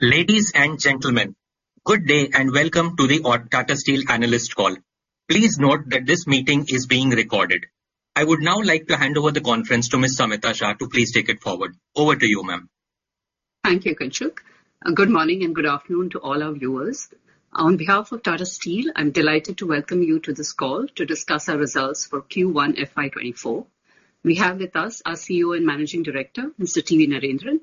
Ladies and gentlemen, good day and welcome to the Tata Steel Analyst Call. Please note that this meeting is being recorded. I would now like to hand over the conference to Miss Samita Shah to please take it forward. Over to you, ma'am. Thank you, Kinshuk. Good morning, good afternoon to all our viewers. On behalf of Tata Steel, I'm delighted to welcome you to this call to discuss our results for Q1 FY 2024. We have with us our CEO and Managing Director, Mr. T.V. Narendran,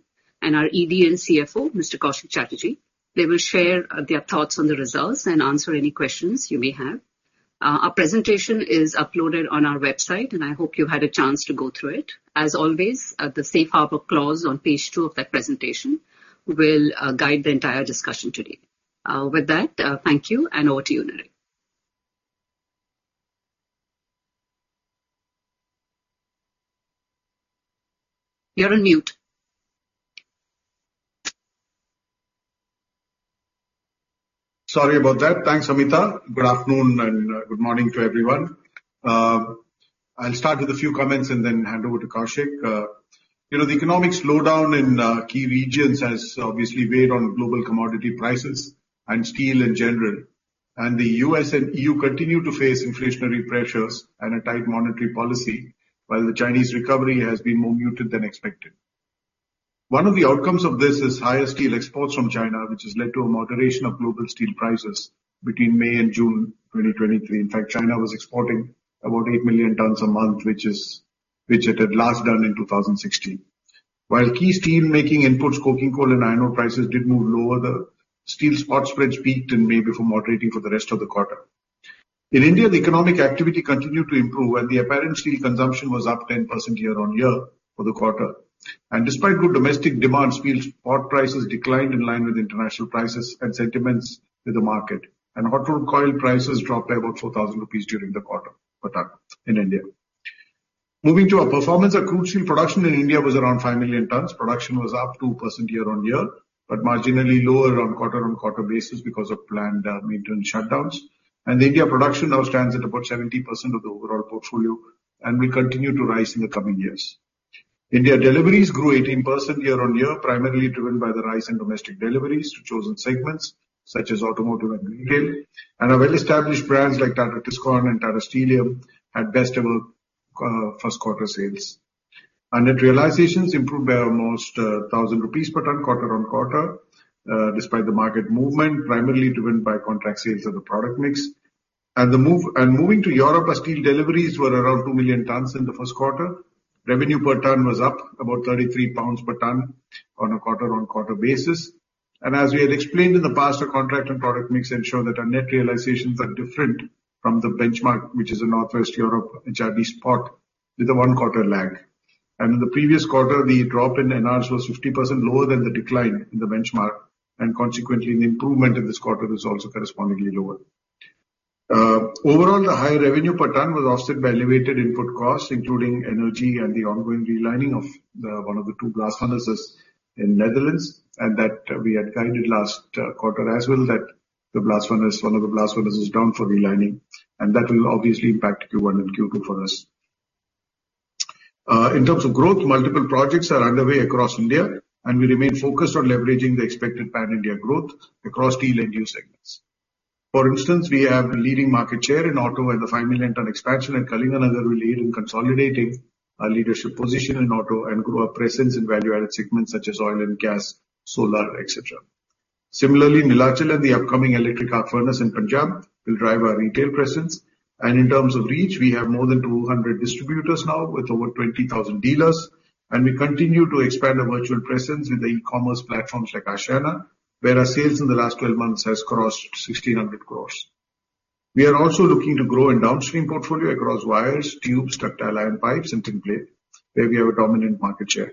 and our ED and CFO, Mr. Koushik Chatterjee. They will share their thoughts on the results and answer any questions you may have. Our presentation is uploaded on our website, I hope you had a chance to go through it. As always, the safe harbor clause on page two of that presentation will guide the entire discussion today. With that, thank you, over to you, Naren. You're on mute. Sorry about that. Thanks, Samita. Good afternoon and good morning to everyone. I'll start with a few comments and then hand over to Koushik. You know, the economic slowdown in key regions has obviously weighed on global commodity prices and steel in general. The U.S. and EU continue to face inflationary pressures and a tight monetary policy, while the Chinese recovery has been more muted than expected. One of the outcomes of this is higher steel exports from China, which has led to a moderation of global steel prices between May and June 2023. In fact, China was exporting about 8 million tons a month, which it had last done in 2016. While key steelmaking inputs, coking coal and iron ore prices, did move lower, the steel spot spreads peaked in May before moderating for the rest of the quarter. In India, the economic activity continued to improve, the apparent steel consumption was up 10% year-on-year for the quarter. Despite good domestic demand, steel spot prices declined in line with international prices and sentiments with the market. Hot-rolled coil prices dropped by about 4,000 rupees during the quarter per ton in India. Moving to our performance, our crude steel production in India was around 5 million tons. Production was up 2% year-on-year, but marginally lower on quarter-on-quarter basis because of planned maintenance shutdowns. India production now stands at about 70% of the overall portfolio and will continue to rise in the coming years. India deliveries grew 18% year-on-year, primarily driven by the rise in domestic deliveries to chosen segments such as automotive and retail. Our well-established brands, like Tata Tiscon and Tata Steelium, had best ever Q1 sales. Net realizations improved by almost 1,000 rupees per ton, quarter-on-quarter, despite the market movement, primarily driven by contract sales of the product mix. Moving to Europe, our steel deliveries were around 2 million tons in the Q1. Revenue per ton was up about 33 pounds per ton on a quarter-on-quarter basis. As we had explained in the past, our contract and product mix ensure that our net realizations are different from the benchmark, which is in Northwest Europe, HBI spot, with a Q1 lag. In the previous quarter, the drop in uncertain was 50% lower than the decline in the benchmark, and consequently, an improvement in this quarter was also correspondingly lower. Overall, the higher revenue per ton was offset by elevated input costs, including energy and the ongoing relining of one of the two blast furnaces in Netherlands, and that we had guided last quarter as well, that the blast furnace, one of the blast furnaces, is down for relining, and that will obviously impact Q1 and Q2 for us. In terms of growth, multiple projects are underway across India, and we remain focused on leveraging the expected pan-India growth across steel end-use segments. For instance, we have a leading market share in auto, and the 5 million tons expansion in Kalinganagar will aid in consolidating our leadership position in auto and grow our presence in value-added segments such as oil and gas, solar, et cetera. Similarly, Neelachal and the upcoming Electric Arc Furnace in Punjab will drive our retail presence. In terms of reach, we have more than 200 distributors now, with over 20,000 dealers. We continue to expand our virtual presence in the e-commerce platforms like Aashiyana, where our sales in the last 12 months has crossed 1,600 crores. We are also looking to grow in downstream portfolio across wires, tubes, Structura, and pipes, and tinplate, where we have a dominant market share.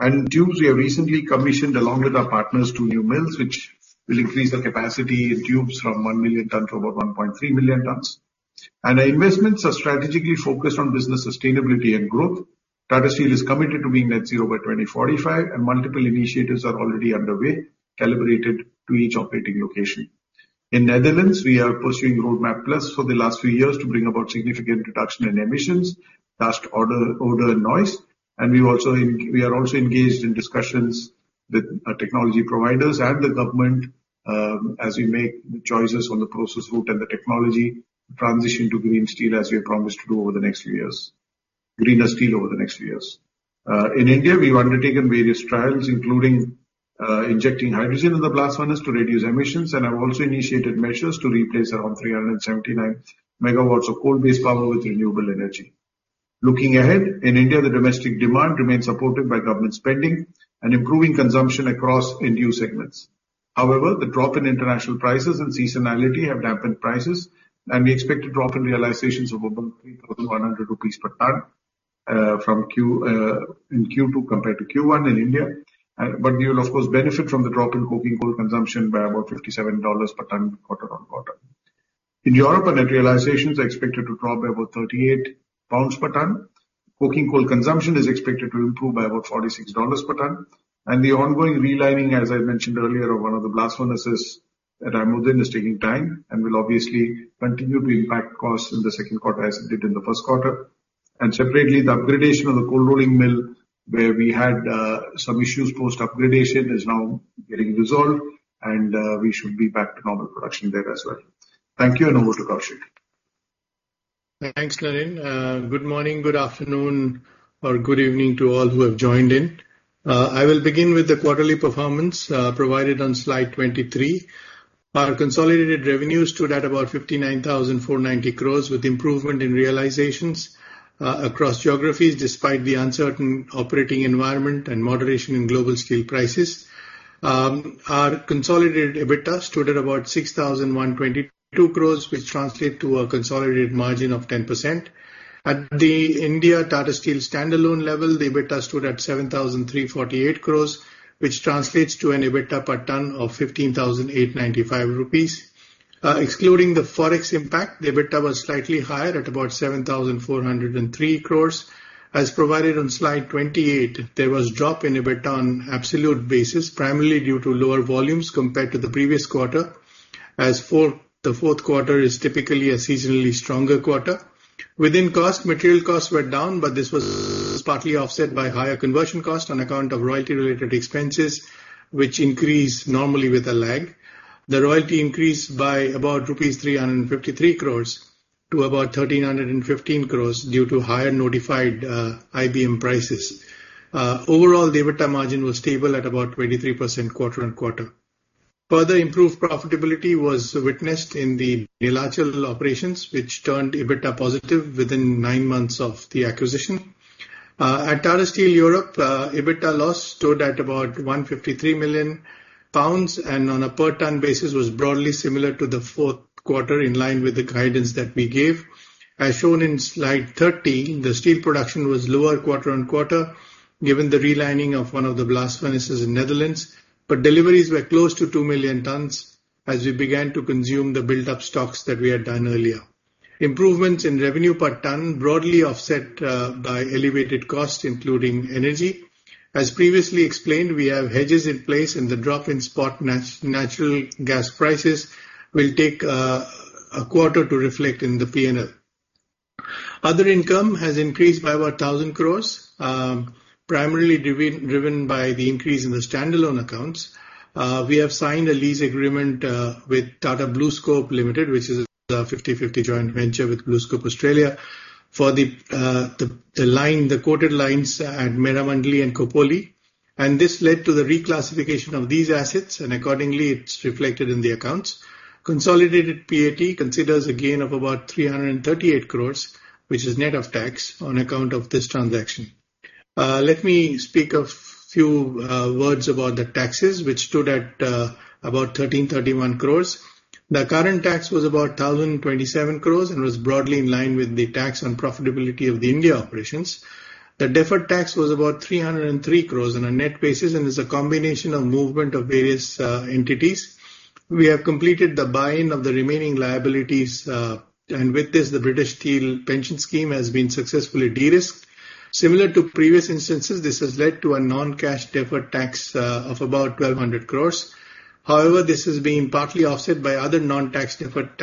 In tubes, we have recently commissioned, along with our partners, two new mills, which will increase the capacity in tubes from 1 million tons to about 1.3 million tons. Our investments are strategically focused on business sustainability and growth. Tata Steel is committed to being net zero by 2045, and multiple initiatives are already underway, calibrated to each operating location. In Netherlands, we are pursuing Roadmap Plus for the last few years to bring about significant reduction in emissions, dust, odor, and noise. We are also engaged in discussions with technology providers and the government as we make choices on the process route and the technology transition to green steel, as we have promised to do over the next few years. Greener steel over the next few years. In India, we've undertaken various trials, including injecting hydrogen in the blast furnace to reduce emissions and have also initiated measures to replace around 379 megawatts of coal-based power with renewable energy. Looking ahead, in India, the domestic demand remains supported by government spending and improving consumption across end-use segments. The drop in international prices and seasonality have dampened prices, and we expect a drop in realizations of about 3,100 rupees per ton in Q2 compared to Q1 in India. We will, of course, benefit from the drop in coking coal consumption by about $57 per ton, quarter-on-quarter. In Europe, our net realizations are expected to drop by about 38 pounds per ton. Coking coal consumption is expected to improve by about $46 per ton. The ongoing relining, as I mentioned earlier, of one of the blast furnaces at IJmuiden is taking time and will obviously continue to impact costs in theQ2, as it did in the Q4 Separately, the upgradation of the cold rolling mill, where we had some issues post-upgradation, is now getting resolved, and we should be back to normal production there as well. Thank you, and over to Koushik. Thanks, Naren. Good morning, good afternoon, or good evening to all who have joined in. I will begin with the quarterly performance, provided on slide 23. Our consolidated revenues stood at about 59,490 crores, with improvement in realizations across geographies, despite the uncertain operating environment and moderation in global steel prices. Our consolidated EBITDA stood at about 6,122 crores, which translate to a consolidated margin of 10%. At the India Tata Steel standalone level, the EBITDA stood at 7,348 crores, which translates to an EBITDA per ton of 15,895 rupees. Excluding the Forex impact, the EBITDA was slightly higher at about 7,403 crores. As provided on slide 28, there was drop in EBITDA on absolute basis, primarily due to lower volumes compared to the previous quarter, as the Q4 is typically a seasonally stronger quarter. Within cost, material costs were down, but this was partly offset by higher conversion costs on account of royalty-related expenses, which increase normally with a lag. The royalty increased by about rupees 353 crores to about 1,315 crores due to higher notified IBM prices. Overall, the EBITDA margin was stable at about 23% quarter-on-quarter. Further improved profitability was witnessed in the Neelachal operations, which turned EBITDA positive within 9 months of the acquisition. At Tata Steel Europe, EBITDA loss stood at about 153 million pounds, and on a per ton basis, was broadly similar to the Q4, in line with the guidance that we gave. As shown in slide 13, the steel production was lower quarter-on-quarter, given the relining of one of the blast furnaces in Netherlands, but deliveries were close to 2 million tons as we began to consume the built-up stocks that we had done earlier. Improvements in revenue per ton broadly offset by elevated costs, including energy. As previously explained, we have hedges in place, and the drop in spot natural gas prices will take a quarter to reflect in the P&L. Other income has increased by about 1,000 crores, primarily driven by the increase in the standalone accounts. We have signed a lease agreement with Tata BlueScope Steel Limited, which is a 50/50 joint venture with BlueScope Steel, for the line, the coated lines at Meramandali and Khopoli, and this led to the reclassification of these assets, and accordingly, it's reflected in the accounts. Consolidated PAT considers a gain of about 338 crores, which is net of tax, on account of this transaction. Let me speak a few words about the taxes, which stood at about 1,331 crores. The current tax was about 1,027 crores and was broadly in line with the tax on profitability of the India operations. The deferred tax was about 303 crores on a net basis, and is a combination of movement of various entities. We have completed the buy-in of the remaining liabilities, and with this, the British Steel Pension Scheme has been successfully de-risked. Similar to previous instances, this has led to a non-cash deferred tax of about 1,200 crores. This is being partly offset by other non-tax deferred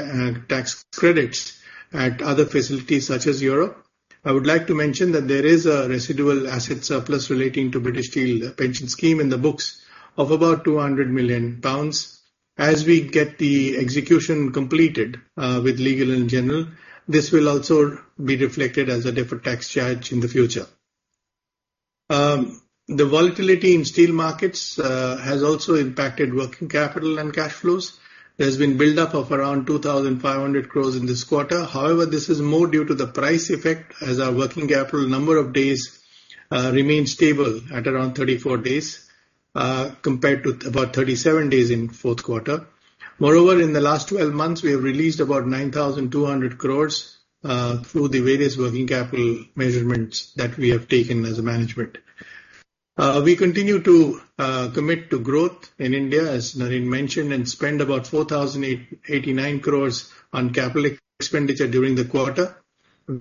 tax credits at other facilities such as Europe. I would like to mention that there is a residual asset surplus relating to British Steel Pension Scheme in the books of about 200 million pounds. As we get the execution completed with Legal & General, this will also be reflected as a deferred tax charge in the future. The volatility in steel markets has also impacted working capital and cash flows. There's been buildup of around 2,500 crores in this quarter. This is more due to the price effect as our working capital number of days remains stable at around 34 days compared to about 37 days in Q4. In the last 12 months, we have released about 9,200 crores through the various working capital measurements that we have taken as a management. We continue to commit to growth in India, as Naren mentioned, and spend about 4,089 crores on CapEx during the quarter.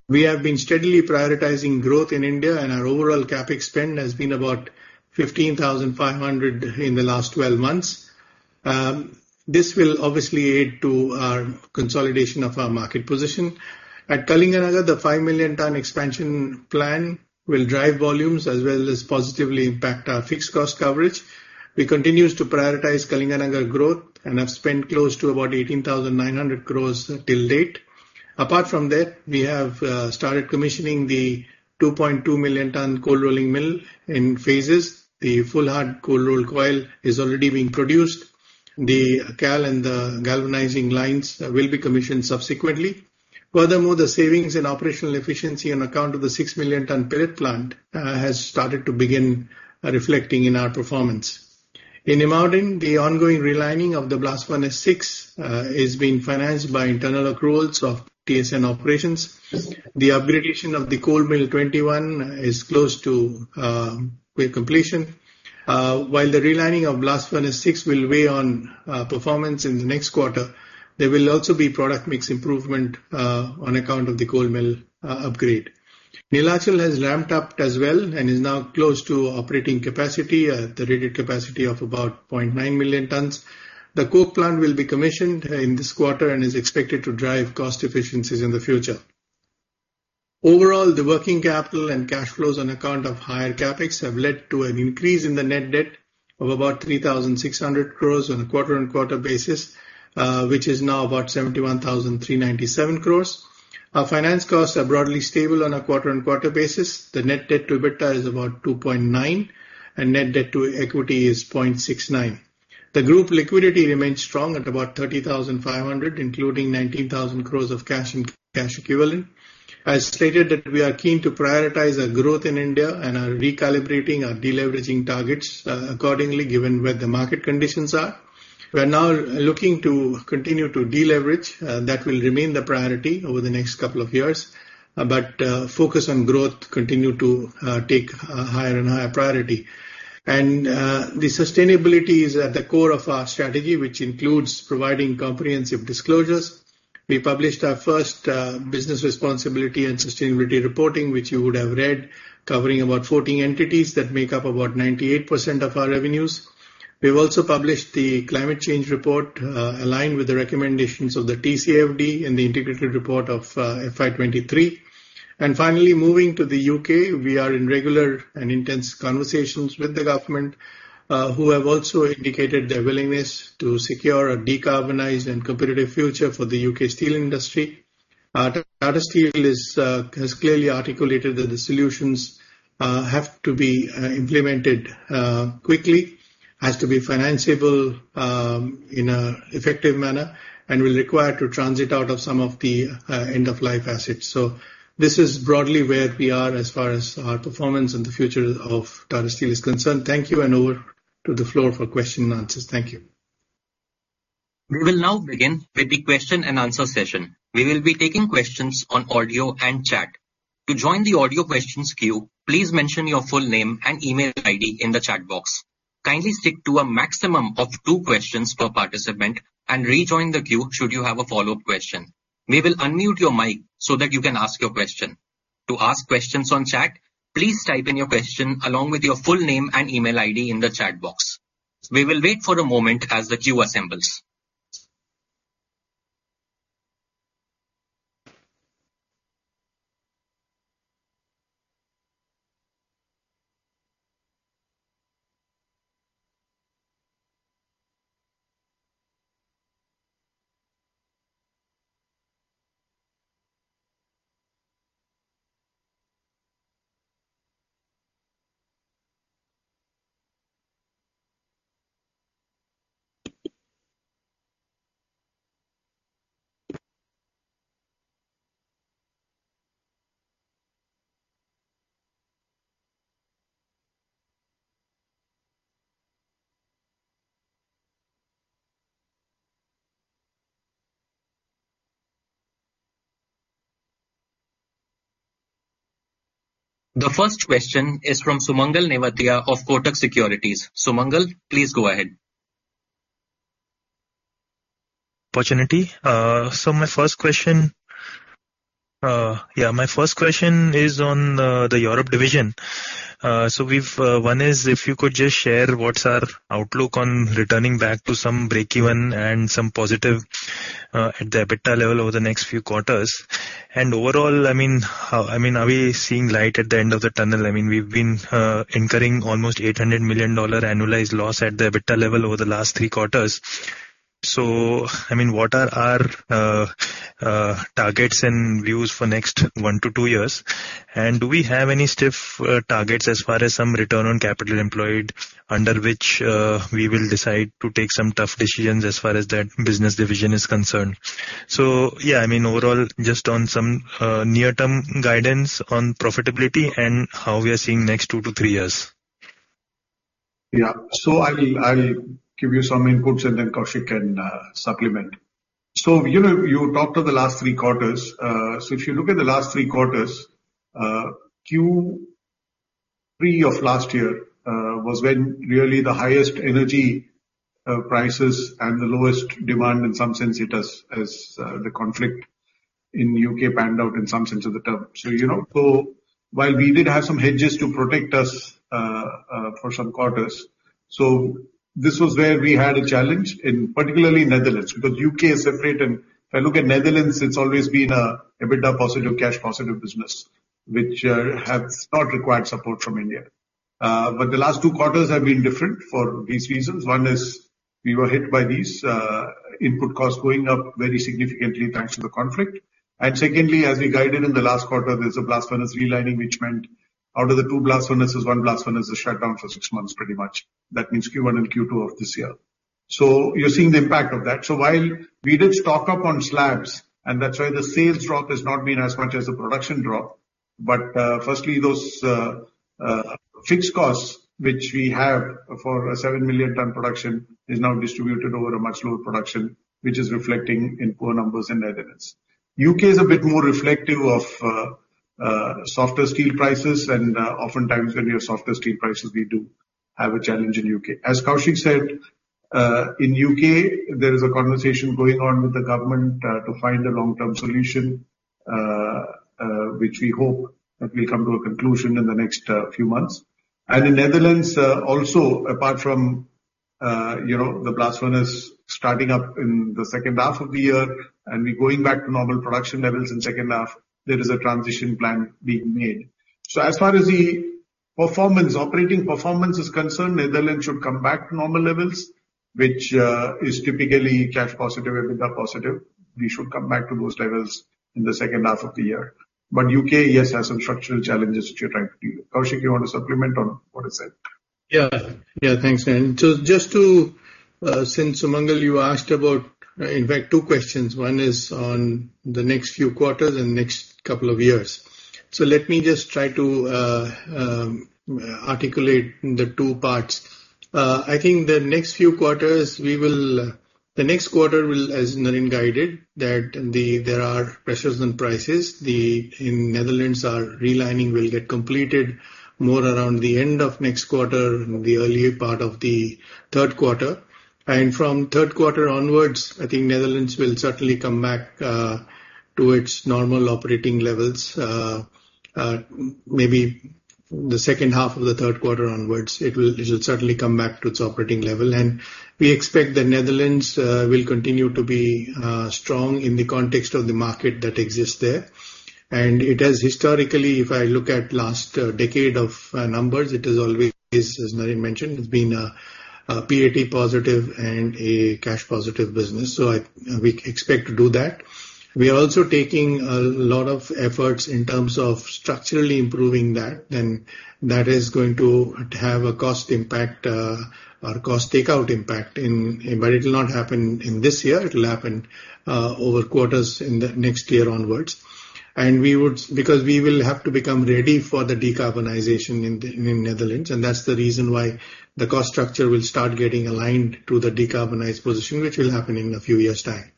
We have been steadily prioritizing growth in India, and our overall CapEx spend has been about 15,500 crores in the last 12 months. This will obviously aid to our consolidation of our market position. At Kalinganagar, the 5 million ton expansion plan will drive volumes as well as positively impact our fixed cost coverage. We continues to prioritize Kalinganagar growth and have spent close to about 18,900 crores till date. Apart from that, we have started commissioning the 2.2 million ton cold rolling mill in phases. The full hard cold rolled coil is already being produced. The CAL and the galvanizing lines will be commissioned subsequently. The savings and operational efficiency on account of the 6 million ton pellet plant has started to begin reflecting in our performance. In IJmuiden, the ongoing relining of the BF6 is being financed by internal accruals of TSN operations. The upgradation of the Cold Mill 21 is close to, well, completion. While the relining of BF6 will weigh on performance in the next quarter, there will also be product mix improvement on account of the cold mill upgrade. Neelachal has ramped up as well and is now close to operating capacity at the rated capacity of about 0.9 million tons. The coke plant will be commissioned in this quarter and is expected to drive cost efficiencies in the future. Overall, the working capital and cash flows on account of higher CapEx have led to an increase in the net debt of about 3,600 crores on a quarter-on-quarter basis, which is now about 71,397 crores. Our finance costs are broadly stable on a quarter-on-quarter basis. The net debt to EBITDA is about 2.9, and net debt to equity is 0.69. The group liquidity remains strong at about 30,500 crores, including 19,000 crores of cash and cash equivalent. I stated that we are keen to prioritize our growth in India and are recalibrating our deleveraging targets, accordingly, given where the market conditions are. We are now looking to continue to deleverage. That will remain the priority over the next couple of years, but focus on growth continue to take higher and higher priority. The sustainability is at the core of our strategy, which includes providing comprehensive disclosures. We published our first business responsibility and sustainability reporting, which you would have read, covering about 14 entities that make up about 98% of our revenues. We've also published the climate change report, aligned with the recommendations of the TCFD in the integrated report of FY 2023. Finally, moving to the UK, we are in regular and intense conversations with the government, who have also indicated their willingness to secure a decarbonized and competitive future for the UK steel industry. Tata Steel is has clearly articulated that the solutions have to be implemented quickly, has to be financiable, in a effective manner, and will require to transit out of some of the end-of-life assets. This is broadly where we are as far as our performance and the future of Tata Steel is concerned. Thank you, and over to the floor for question and answers. Thank you. We will now begin with the question-and-answer session. We will be taking questions on audio and chat. To join the audio questions queue, please mention your full name and email I.D. in the chat box. Kindly stick to a maximum of 2 questions per participant and rejoin the queue, should you have a follow-up question. We will unmute your mic so that you can ask your question. To ask questions on chat, please type in your question along with your full name and email I.D. in the chat box. We will wait for a moment as the queue assembles. The first question is from Sumangal Nevatia of Kotak Securities. Sumangal, please go ahead. My 1st question is on the Europe division. One is, if you could just share what's our outlook on returning back to some break-even and some positive at the EBITDA level over the next few quarters. Overall, are we seeing light at the end of the tunnel? We've been incurring almost $800 million annualized loss at the EBITDA level over the last 3 quarters. What are our targets and views for next 1-2 years? Do we have any stiff targets as far as some return on capital employed, under which we will decide to take some tough decisions as far as that business division is concerned? Yeah, I mean, overall, just on some near-term guidance on profitability and how we are seeing next two to three years. I will give you some inputs, and then Koushik can supplement. Given you talked of the last three quarters, if you look at the last three quarters, Q3 of last year was when really the highest energy prices and the lowest demand, in some sense it has, as the conflict in UK panned out in some sense of the term. You know, while we did have some hedges to protect us for some quarters, this was where we had a challenge in particularly Tata Steel Netherlands, because Tata Steel UK is separate. If I look at Tata Steel Netherlands, it's always been an EBITDA positive, cash positive business, which has not required support from Tata Steel India. The last two quarters have been different for these reasons. One is we were hit by these input costs going up very significantly, thanks to the conflict. Secondly, as we guided in the last quarter, there's a blast furnace relining, which meant out of the 2 blast furnaces, 1 blast furnace is shut down for 6 months, pretty much. That means Q1 and Q2 of this year. You're seeing the impact of that. While we did stock up on slabs, and that's why the sales drop has not been as much as the production drop. Firstly, those fixed costs which we have for a 7 million ton production, is now distributed over a much lower production, which is reflecting in poor numbers in Netherlands. UK is a bit more reflective of softer steel prices, and oftentimes when we have softer steel prices, we do have a challenge in UK. As Koushik said, in UK, there is a conversation going on with the government, to find a long-term solution, which we hope that will come to a conclusion in the next, few months. In Netherlands, also. You know, the blast furnace starting up in the H2 of the year, we're going back to normal production levels in second half, there is a transition plan being made. As far as the performance, operating performance is concerned, Netherlands should come back to normal levels, which is typically cash positive, EBITDA positive. We should come back to those levels in the H2 of the year. UK, yes, has some structural challenges which we're trying to deal. Koushik, you want to supplement on what I said? Yeah. Yeah, thanks, Naren. Just to, since, Sumangal, you asked about, in fact, 2 questions. 1 is on the next few quarters and next couple of years. Let me just try to articulate the 2 parts. I think the next few quarters, the next quarter will, as Naren guided, that there are pressures on prices. In Netherlands, our relining will get completed more around the end of next quarter, the earlier part of the third quarter. From third quarter onwards, I think Netherlands will certainly come back to its normal operating levels. Maybe the H2 of the Q3 onwards, it will certainly come back to its operating level. We expect the Netherlands will continue to be strong in the context of the market that exists there. It has historically, if I look at last decade of numbers, it is always, as Naren mentioned, it's been a PAT positive and a cash positive business, so we expect to do that. We are also taking a lot of efforts in terms of structurally improving that, then that is going to have a cost impact, or cost takeout impact in. It will not happen in this year, it will happen over quarters in the next year onwards. We would because we will have to become ready for the decarbonization in Netherlands, and that's the reason why the cost structure will start getting aligned to the decarbonized position, which will happen in a few years' time.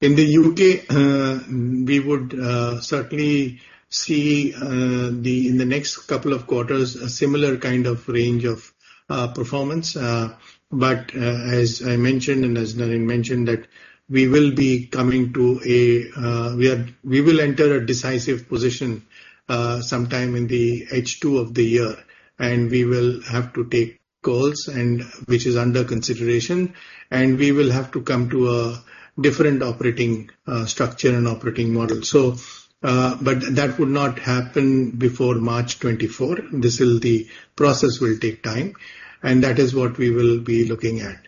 In the UK, we would, certainly see, the, in the next couple of quarters, a similar kind of range of, performance. But, as I mentioned, and as Naren mentioned, that we will enter a decisive position sometime in the H2 of the year. We will have to take calls, and which is under consideration, and we will have to come to a different operating, structure and operating model. But that would not happen before March 2024. The process will take time, and that is what we will be looking at.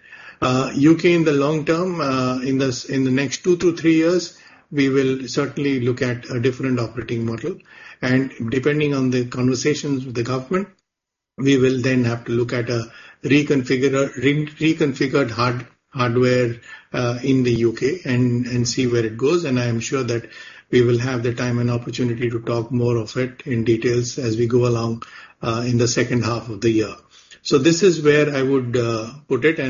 UK, in the long term, in this, in the next 2 to 3 years, we will certainly look at a different operating model. Depending on the conversations with the government, we will then have to look at a reconfigured hardware in the UK and see where it goes. I am sure that we will have the time and opportunity to talk more of it in details as we go along in the H2 of the year. This is where I would put it.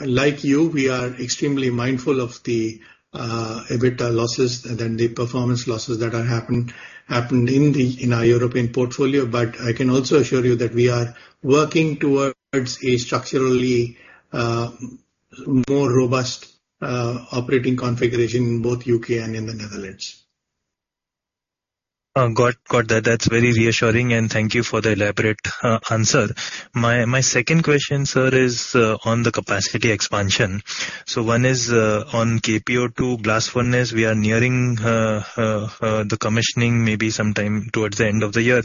Like you, we are extremely mindful of the EBITDA losses and then the performance losses that are happened in the, in our European portfolio. I can also assure you that we are working towards a structurally more robust operating configuration in both UK and in the Netherlands. Got that. That's very reassuring, thank you for the elaborate answer. My 2nd question, sir, is on the capacity expansion. One is on KPO 2 blast furnace. We are nearing the commissioning, maybe sometime towards the end of the year.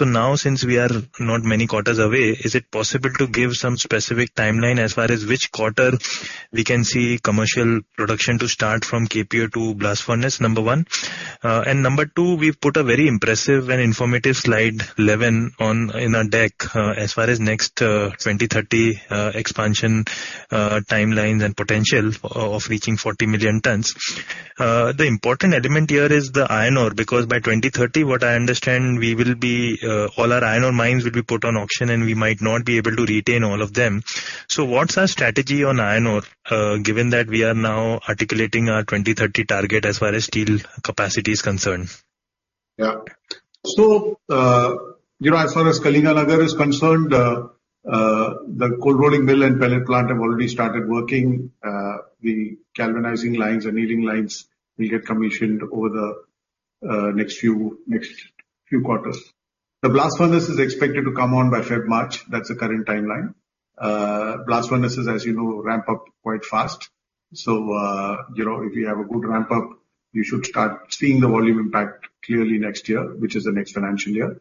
Now, since we are not many quarters away, is it possible to give some specific timeline as far as which quarter we can see commercial production to start from KPO 2 blast furnace? Number 1. Number 2, we've put a very impressive and informative slide 11 on in our deck as far as next 20/30 expansion timelines and potential of reaching 40 million tons. The important element here is the iron ore, because by 2030, what I understand, we will be, all our iron ore mines will be put on auction, and we might not be able to retain all of them. What's our strategy on iron ore, given that we are now articulating our 2030 target as far as steel capacity is concerned? You know, as far as Kalinganagar is concerned, the cold rolling mill and pellet plant have already started working. The galvanizing lines and heating lines will get commissioned over the next few quarters. The blast furnace is expected to come on by Feb-March. That's the current timeline. Blast furnaces, as you know, ramp up quite fast. You know, if you have a good ramp up, you should start seeing the volume impact clearly next year, which is the next financial year.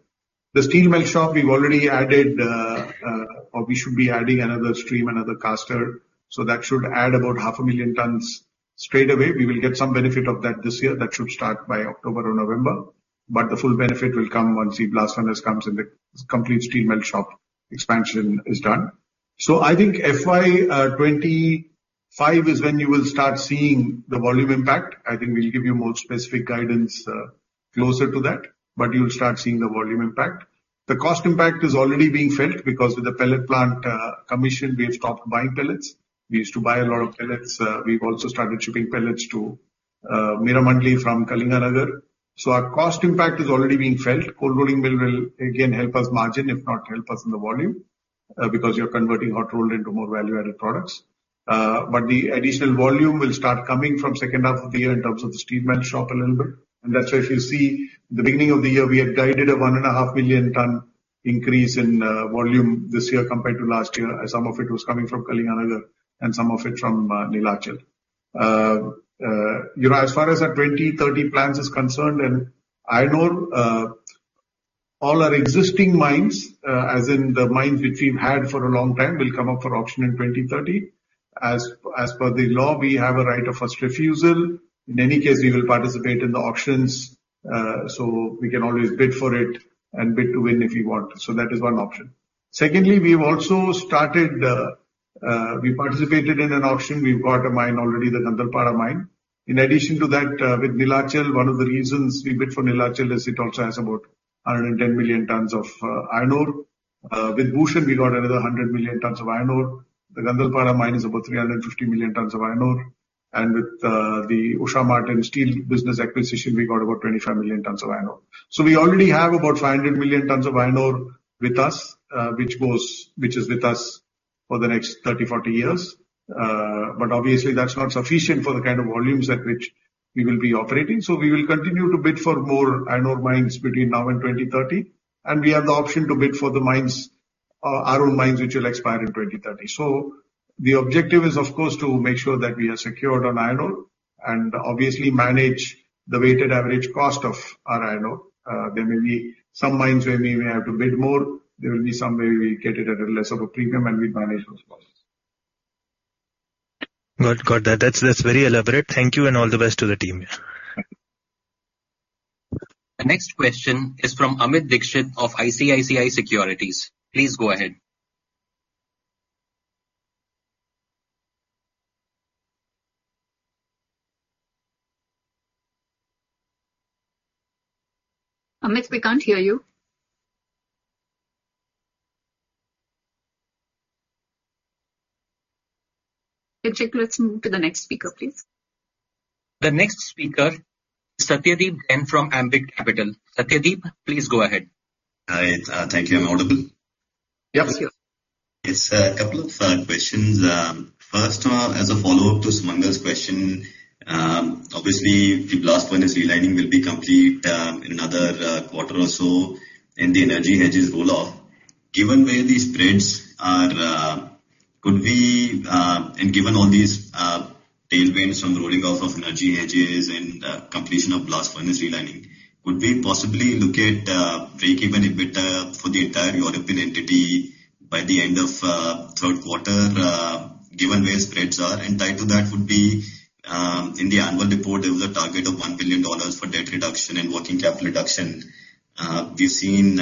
The steel melt shop, we've already added, or we should be adding another stream, another caster, so that should add about half a million tons. Straightaway, we will get some benefit of that this year. That should start by October or November, but the full benefit will come once the blast furnace comes in, the complete steel melt shop expansion is done. I think FY 25 is when you will start seeing the volume impact. I think we'll give you more specific guidance closer to that, but you'll start seeing the volume impact. The cost impact is already being felt, because with the pellet plant commission, we have stopped buying pellets. We used to buy a lot of pellets. We've also started shipping pellets to Miramali from Kalinganagar. Our cost impact is already being felt. Cold rolling mill will again help us margin, if not help us in the volume, because you're converting hot rolled into more value-added products. The additional volume will start coming from H2 of the year in terms of the steel melt shop a little bit. That's why if you see the beginning of the year, we had guided a 1.5 million ton increase in volume this year compared to last year, as some of it was coming from Kalinganagar and some of it from Neelachal. You know, as far as our 2030 plans is concerned, I know, all our existing mines, as in the mines which we've had for a long time, will come up for auction in 2030. As per the law, we have a right of first refusal. In any case, we will participate in the auctions, we can always bid for it and bid to win if we want. That is one option. Secondly, we've also started, we participated in an auction. We've got a mine already, the Nandalpara mine. In addition to that, with Neelachal, one of the reasons we bid for Neelachal is it also has about 110 million tons of iron ore. With Bhushan, we got another 100 million tons of iron ore. The Nandalpara mine is about 350 million tons of iron ore. And with the Usha Martin Steel business acquisition, we got about 25 million tons of iron ore. We already have about 500 million tons of iron ore with us, which goes, which is with us for the next 30, 40 years. But obviously that's not sufficient for the kind of volumes at which we will be operating. We will continue to bid for more iron ore mines between now and 2030, and we have the option to bid for the mines, our own mines, which will expire in 2030. The objective is, of course, to make sure that we are secured on iron ore and obviously manage the weighted average cost of our iron ore. There may be some mines where we may have to bid more, there will be some where we get it at a less of a premium, and we manage those costs. Got that. That's very elaborate. Thank you, and all the best to the team. The next question is from Amit Dixit of ICICI Securities. Please go ahead. Amit, we can't hear you. Kinshuk, let's move to the next speaker, please. The next speaker, Satyadeep Jain from Ambit Capital. Satyadeep, please go ahead. Hi. Thank you. I'm audible? Yes. Yes, a couple of questions. 1st, as a follow-up to Sumangal's question, obviously, the blast furnace relining will be complete in another quarter or so, and the energy hedges roll off. Given where the spreads are, given all these tailwinds from rolling off of energy hedges and completion of blast furnace relining, would we possibly look at breakeven EBITDA for the entire European entity by the end of Q3, given where spreads are? Tied to that would be, in the annual report, there was a target of $1 billion for debt reduction and working capital reduction. We've seen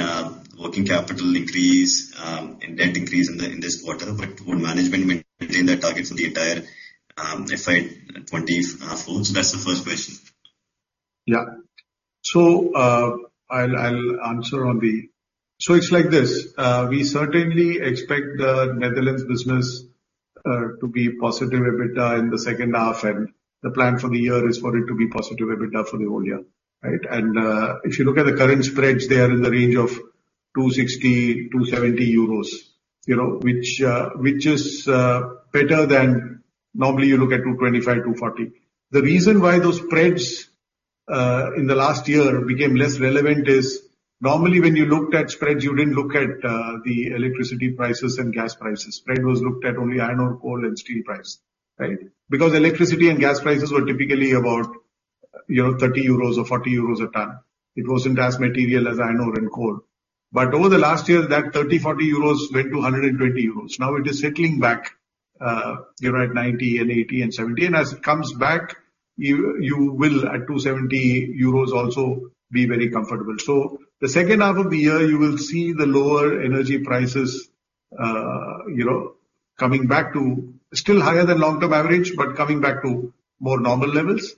working capital increase and debt increase in this quarter, would management maintain that target for the entire FY 2024? That's the 1st question. Yeah. I'll answer on the. It's like this: we certainly expect the Netherlands business to be positive EBITDA in the H2, and the plan for the year is for it to be positive EBITDA for the whole year, right? If you look at the current spreads, they are in the range of 260-270 euros, you know, which is better than normally you look at 225-240. The reason why those spreads in the last year became less relevant is, normally, when you looked at spreads, you didn't look at the electricity prices and gas prices. Spread was looked at only iron ore, coal and steel price, right? Because electricity and gas prices were typically about, you know, 30 euros or 40 euros a ton. It wasn't as material as iron ore and coal. Over the last year, that 30-40 euros went to 120 euros. Now it is settling back, you know, at 90, 80, and 70. As it comes back, you will, at 270 euros, also be very comfortable. The H2 of the year, you will see the lower energy prices, you know, coming back to still higher than long-term average, but coming back to more normal levels.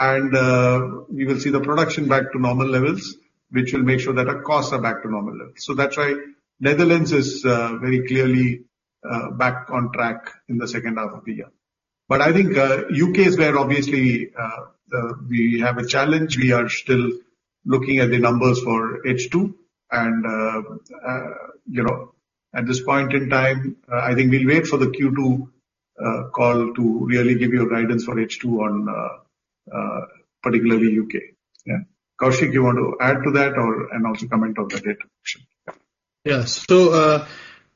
We will see the production back to normal levels, which will make sure that our costs are back to normal levels. That's why Netherlands is very clearly back on track in the second half of the year. I think UK is where obviously we have a challenge. We are still looking at the numbers for H2. You know, at this point in time, I think we'll wait for the Q2 call to really give you a guidance for H2 on particularly UK. Koushik, you want to add to that or, and also comment on the data option? Yeah.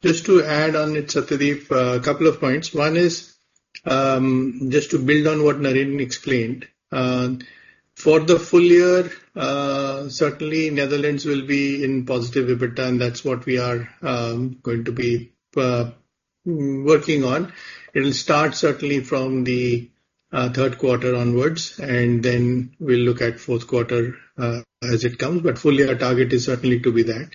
Just to add on it, Satyadeep, a couple of points. One is, just to build on what Naren explained. For the full year, certainly Netherlands will be in positive EBITDA, and that's what we are going to be working on. It'll start certainly from the 3rd quarter onwards, and then we'll look at 4th quarter as it comes. Full year, our target is certainly to be that.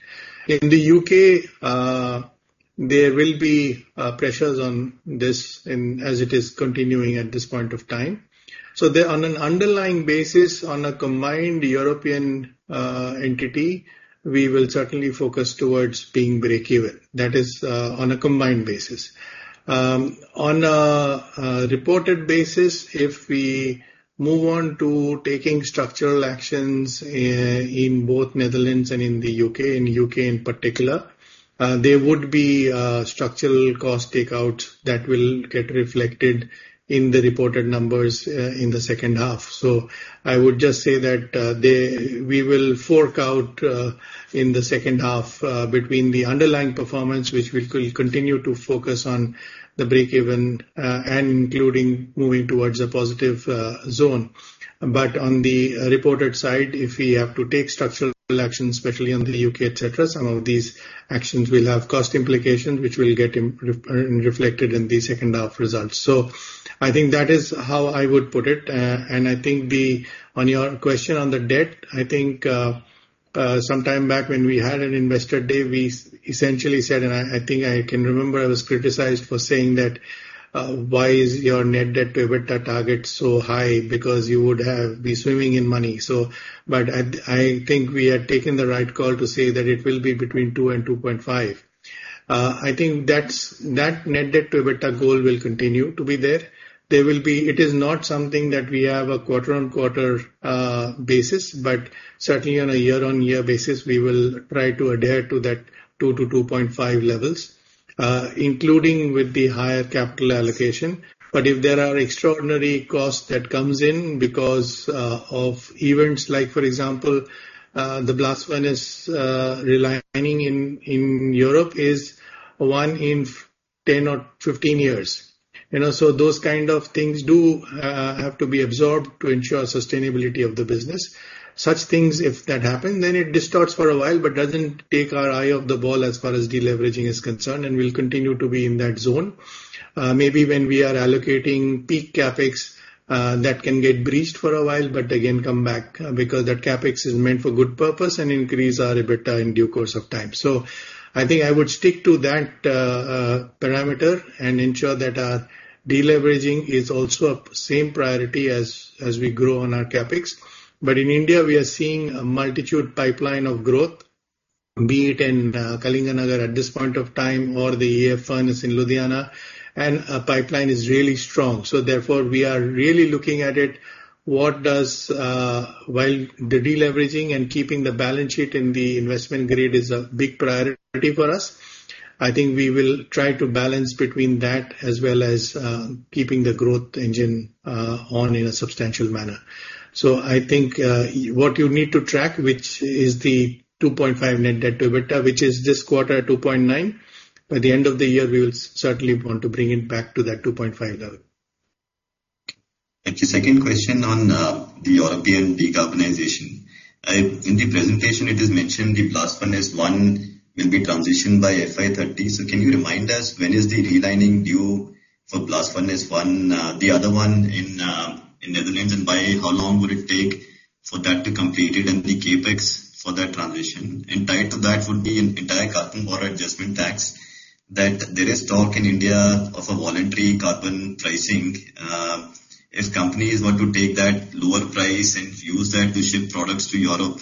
In the UK, there will be pressures on this in, as it is continuing at this point of time. The, on an underlying basis, on a combined European entity, we will certainly focus towards being breakeven. That is, on a combined basis. On a reported basis, if we move on to taking structural actions in both Netherlands and in the UK, in UK in particular, there would be structural cost takeout that will get reflected in the reported numbers in the second half. I would just say that we will fork out in the second half between the underlying performance, which we will continue to focus on the breakeven, and including moving towards a positive zone. On the reported side, if we have to take structural actions, especially in the UK, et cetera, some of these actions will have cost implications, which will get reflected in the second half results. I think that is how I would put it. I think the. On your question on the debt, I think, sometime back when we had an investor day, we essentially said, and I think I can remember I was criticized for saying that, "Why is your net debt to EBITDA target so high? Because you would be swimming in money." But I think we had taken the right call to say that it will be between 2 and 2.5. I think that's that net debt to EBITDA goal will continue to be there. It is not something that we have a quarter-on-quarter basis, but certainly on a year-on-year basis, we will try to adhere to that 2 to 2.5 levels, including with the higher capital allocation. If there are extraordinary costs that comes in because of events, like, for example, the blast furnace relining in Europe is one in 10 or 15 years. You know, those kind of things do have to be absorbed to ensure sustainability of the business. Such things, if that happen, then it distorts for a while, but doesn't take our eye off the ball as far as deleveraging is concerned, and we'll continue to be in that zone. Maybe when we are allocating peak CapEx, that can get breached for a while, but again, come back because that CapEx is meant for good purpose and increase our EBITDA in due course of time. I think I would stick to that parameter and ensure that our deleveraging is also of same priority as we grow on our CapEx. In India, we are seeing a multitude pipeline of growth, be it in Kalinganagar at this point of time or the EF furnace in Ludhiana, and our pipeline is really strong. Therefore, we are really looking at it, what does, while the deleveraging and keeping the balance sheet in the investment grade is a big priority for us, I think we will try to balance between that as well as keeping the growth engine on in a substantial manner. I think, what you need to track, which is the 2.5 net debt to EBITDA, which is this quarter, 2.9. By the end of the year, we will certainly want to bring it back to that 2.5 level. Thank you. 2nd question on the European decarbonization. In the presentation, it is mentioned the blast furnace 1 will be transitioned by FY30. Can you remind us when is the relining due for blast furnace 1, the other one in Netherlands? By how long would it take for that to complete it and the CapEx for that transition? Tied to that would be an entire Carbon Border Adjustment tax, that there is talk in India of a voluntary carbon pricing. If companies were to take that lower price and use that to ship products to Europe,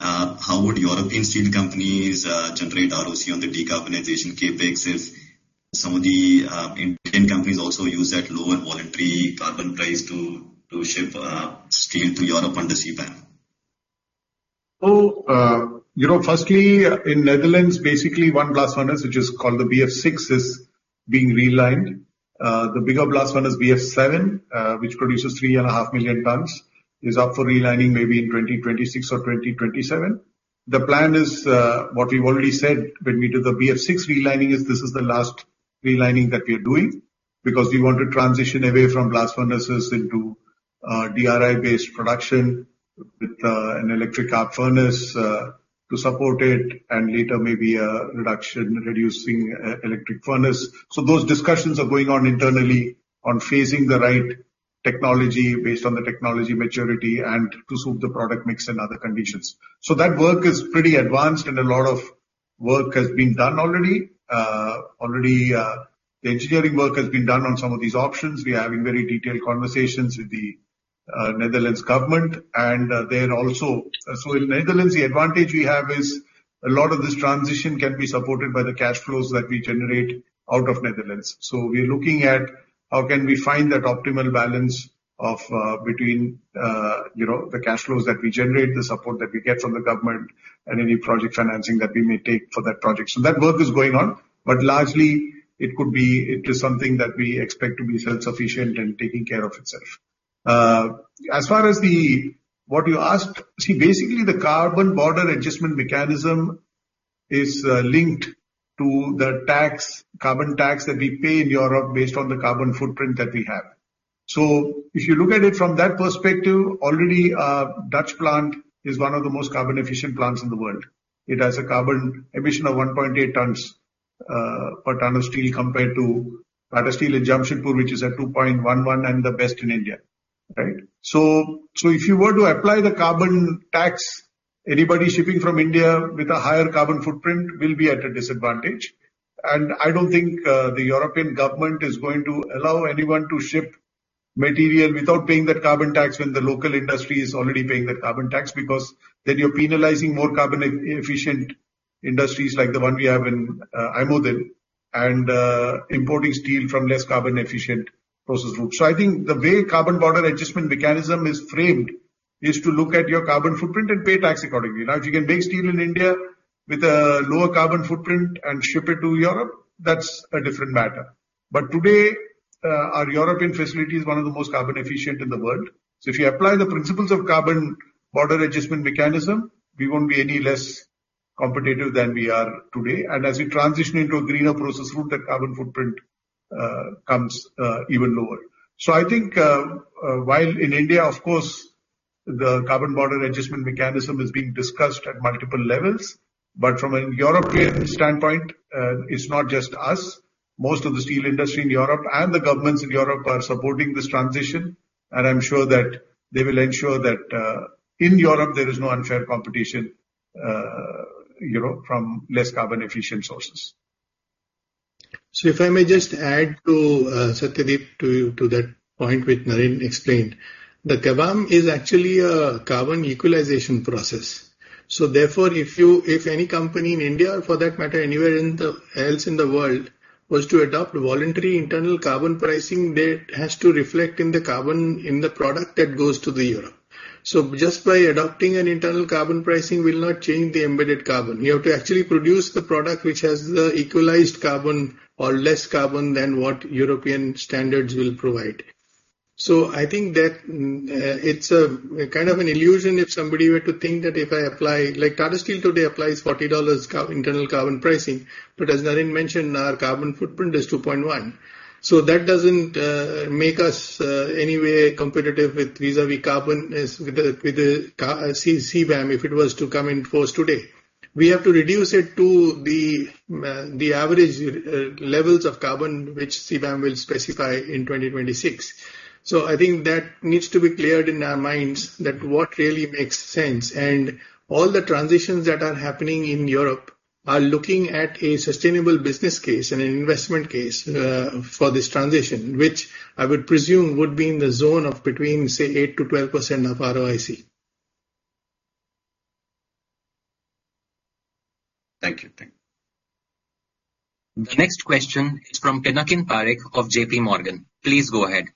how would European steel companies generate ROC on the decarbonization CapEx if some of the Indian companies also use that lower voluntary carbon price to ship steel to Europe on the sea bed? You know, firstly, in Netherlands, basically 1 blast furnace, which is called the BF6, is being relined. The bigger blast furnace, BF7, which produces 3.5 million tons, is up for relining maybe in 2026 or 2027. The plan is, what we've already said when we do the BF6 relining, is this is the last relining that we are doing. We want to transition away from blast furnaces into DRI-based production with an electric arc furnace to support it, and later maybe a reduction, reducing electric furnace. Those discussions are going on internally on phasing the right technology based on the technology maturity and to suit the product mix and other conditions. That work is pretty advanced and a lot of work has been done already. Already, the engineering work has been done on some of these options. We are having very detailed conversations with the Netherlands government and they are also. In Netherlands, the advantage we have is a lot of this transition can be supported by the cash flows that we generate out of Netherlands. We are looking at how can we find that optimal balance of, between, you know, the cash flows that we generate, the support that we get from the government, and any project financing that we may take for that project. That work is going on, but largely it is something that we expect to be self-sufficient and taking care of itself. As far as what you asked, basically, the Carbon Border Adjustment Mechanism is linked to the tax, carbon tax that we pay in Europe based on the carbon footprint that we have. If you look at it from that perspective, already, our Dutch plant is one of the most carbon efficient plants in the world. It has a carbon emission of 1.8 tons per ton of steel, compared to Tata Steel in Jamshedpur, which is at 2.11, and the best in India, right? If you were to apply the carbon tax, anybody shipping from India with a higher carbon footprint will be at a disadvantage. I don't think the European government is going to allow anyone to ship. Material without paying that carbon tax, when the local industry is already paying that carbon tax, because then you're penalizing more carbon efficient industries like the one we have in IJmuiden, and importing steel from less carbon efficient process route. I think the way Carbon Border Adjustment Mechanism is framed, is to look at your carbon footprint and pay tax accordingly. Now, if you can make steel in India with a lower carbon footprint and ship it to Europe, that's a different matter. Today, our European facility is one of the most carbon efficient in the world. If you apply the principles of Carbon Border Adjustment Mechanism, we won't be any less competitive than we are today. As we transition into a greener process route, that carbon footprint comes even lower. I think, while in India, of course, the Carbon Border Adjustment Mechanism is being discussed at multiple levels, but from a European standpoint, it's not just us. Most of the steel industry in Europe and the governments in Europe are supporting this transition, and I'm sure that they will ensure that, in Europe, there is no unfair competition, you know, from less carbon efficient sources. If I may just add to Satyadeep, to that point which Naren explained. The CBAM is actually a carbon equalization process. Therefore, if any company in India, for that matter, anywhere else in the world, was to adopt voluntary internal carbon pricing, that has to reflect in the carbon, in the product that goes to Europe. Just by adopting an internal carbon pricing will not change the embedded carbon. You have to actually produce the product which has the equalized carbon or less carbon than what European standards will provide. I think that it's a kind of an illusion if somebody were to think that Like, Tata Steel today applies $40 internal carbon pricing, but as Naren mentioned, our carbon footprint is 2.1. That doesn't make us any way competitive with vis-à-vis carbon, CBAM, if it was to come in force today. We have to reduce it to the average levels of carbon which CBAM will specify in 2026. I think that needs to be cleared in our minds that what really makes sense. All the transitions that are happening in Europe are looking at a sustainable business case and an investment case for this transition, which I would presume would be in the zone of between, say, 8%-12% of ROIC. Thank you. Thank you. The next question is from Pinakin Parekh of JP Morgan. Please go ahead.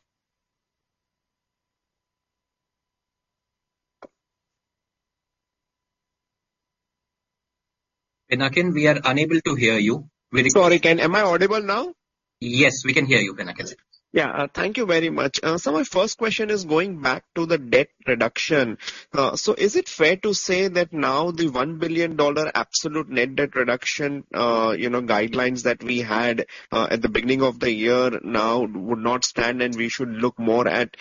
Pinakin, we are unable to hear you. Sorry, Am I audible now? Yes, we can hear you, Pinakin. Yeah, thank you very much. My 1st question is going back to the debt reduction. Is it fair to say that now the $1 billion absolute net debt reduction, you know, guidelines that we had at the beginning of the year now would not stand, and we should look more at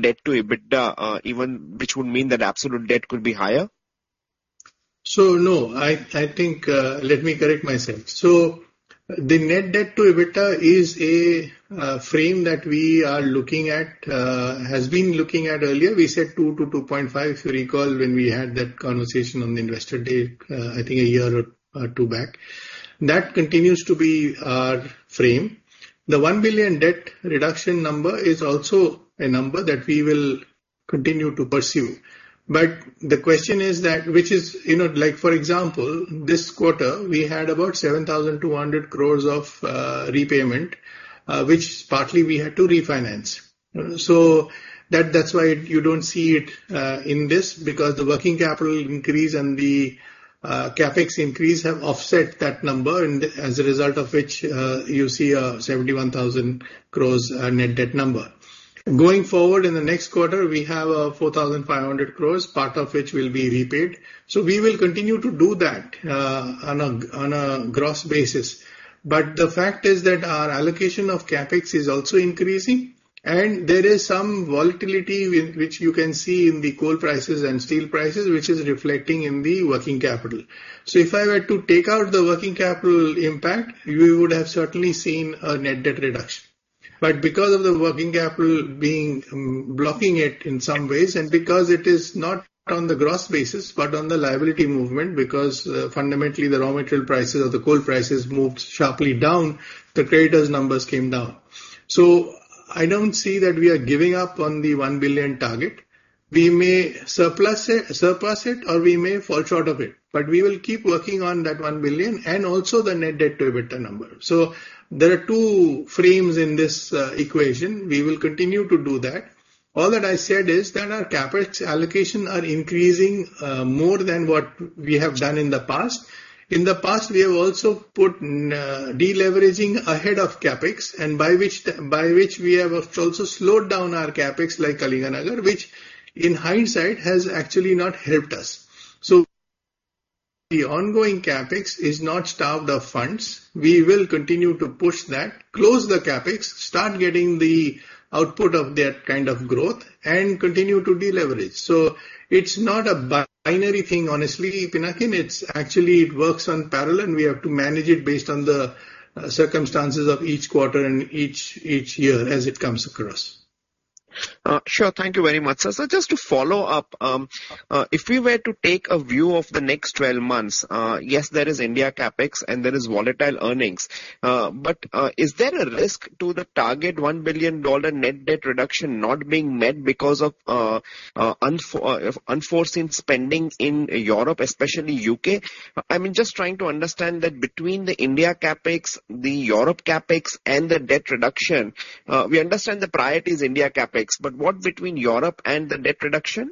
debt to EBITDA, even which would mean that absolute debt could be higher? No, I think, let me correct myself. The net debt to EBITDA is a frame that we are looking at, has been looking at earlier. We said 2-2.5, if you recall, when we had that conversation on the Investor Day, I think a year or two back. That continues to be our frame. The 1 billion debt reduction number is also a number that we will continue to pursue. The question is that, which is, you know, like, for example, this quarter, we had about 7,200 crores of repayment, which partly we had to refinance. That's why you don't see it in this, because the working capital increase and the CapEx increase have offset that number, and as a result of which, you see a 71,000 crores net debt number. Going forward, in the next quarter, we have a 4,500 crores, part of which will be repaid. We will continue to do that on a gross basis. The fact is that our allocation of CapEx is also increasing, and there is some volatility which you can see in the coal prices and steel prices, which is reflecting in the working capital. If I were to take out the working capital impact, we would have certainly seen a net debt reduction. Because of the working capital being blocking it in some ways, and because it is not on the gross basis, but on the liability movement, because fundamentally the raw material prices or the coal prices moved sharply down, the creditors' numbers came down. I don't see that we are giving up on the $1 billion target. We may surplus it, surpass it or we may fall short of it, but we will keep working on that $1 billion and also the net debt to EBITDA number. There are two frames in this equation. We will continue to do that. All that I said is that our CapEx allocation are increasing more than what we have done in the past. In the past, we have also put deleveraging ahead of CapEx, by which we have also slowed down our CapEx, like Kalinganagar, which in hindsight has actually not helped us. The ongoing CapEx is not starved of funds. We will continue to push that, close the CapEx, start getting the output of that kind of growth and continue to deleverage. It's not a bi-binary thing, honestly, Pinakin. It's actually, it works on parallel, we have to manage it based on the circumstances of each quarter and each year as it comes across. Sure. Thank you very much, sir. Just to follow up, if we were to take a view of the next 12 months, yes, there is India CapEx, and there is volatile earnings, but, is there a risk to the target $1 billion net debt reduction not being met because of unforeseen spending in Europe, especially UK? I mean, just trying to understand that between the India CapEx, the Europe CapEx, and the debt reduction, we understand the priority is India CapEx, but what between Europe and the debt reduction?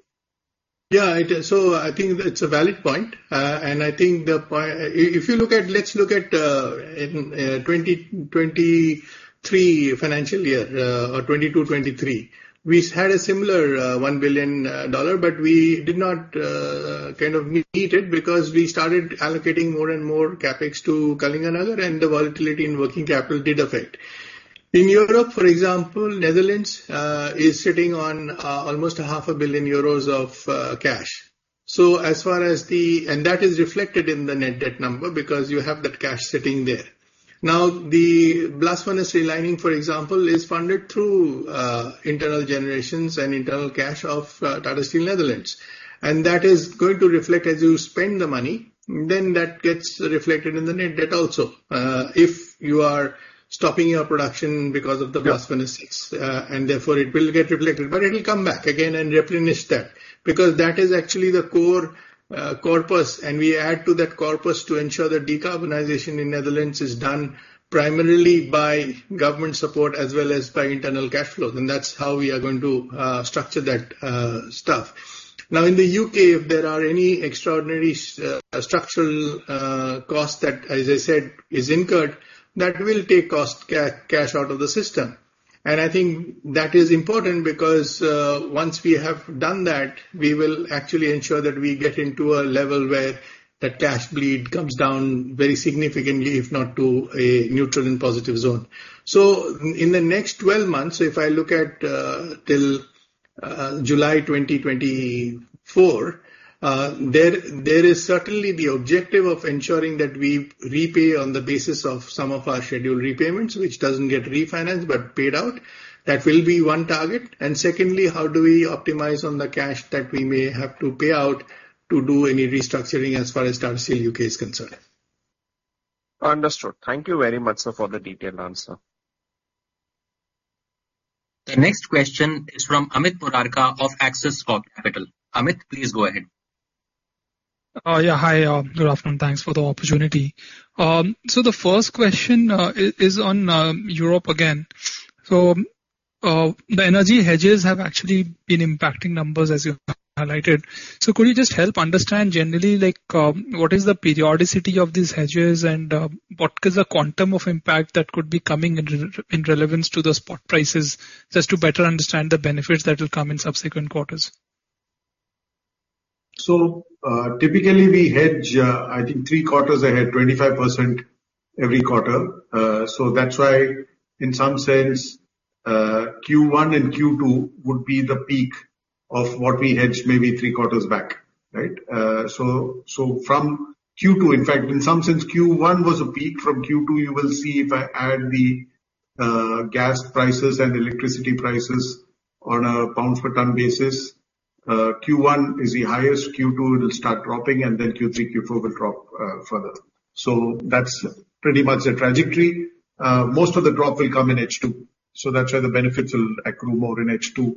Yeah, it is. I think that's a valid point. I think if you look at, let's look at, in 2023 financial year, or 2022-2023. We had a similar $1 billion, but we did not kind of meet it, because we started allocating more and more CapEx to Kalinganagar, and the volatility in working capital did affect. In Europe, for example, Netherlands is sitting on almost a half a billion euros of cash. That is reflected in the net debt number, because you have that cash sitting there. Now, the blast furnace relining, for example, is funded through internal generations and internal cash of Tata Steel Netherlands. That is going to reflect as you spend the money, then that gets reflected in the net debt also. If you are stopping your production because of the blast furnaces, and therefore it will get reflected, but it will come back again and replenish that, because that is actually the core corpus, and we add to that corpus to ensure that decarbonization in Netherlands is done primarily by government support as well as by internal cash flows. That's how we are going to structure that stuff. In the UK, if there are any extraordinary structural costs that, as I said, is incurred, that will take cash out of the system. I think that is important because, once we have done that, we will actually ensure that we get into a level where the cash bleed comes down very significantly, if not to a neutral and positive zone. In the next 12 months, if I look at, till July 2024, there is certainly the objective of ensuring that we repay on the basis of some of our scheduled repayments, which doesn't get refinanced but paid out. That will be one target. Secondly, how do we optimize on the cash that we may have to pay out to do any restructuring as far as Tata Steel UK is concerned? Understood. Thank you very much, sir, for the detailed answer. The next question is from Amit Murarka of Axis Capital. Amit, please go ahead. Yeah, hi, good afternoon. Thanks for the opportunity. The 1st question is on Europe again. The energy hedges have actually been impacting numbers, as you highlighted. Could you just help understand generally, like, what is the periodicity of these hedges, and what is the quantum of impact that could be coming in relevance to the spot prices, just to better understand the benefits that will come in subsequent quarters? Typically, we hedge, I think 3 quarters ahead, 25% every quarter. That's why, in some sense, Q1 and Q2 would be the peak of what we hedged maybe 3 quarters back, right? From Q2, in fact, in some sense Q1 was a peak. From Q2, you will see if I add the gas prices and electricity prices on a pound per tonne basis, Q1 is the highest, Q2 it'll start dropping, and then Q3, Q4 will drop further. That's pretty much the trajectory. Most of the drop will come in H2. That's why the benefits will accrue more in H2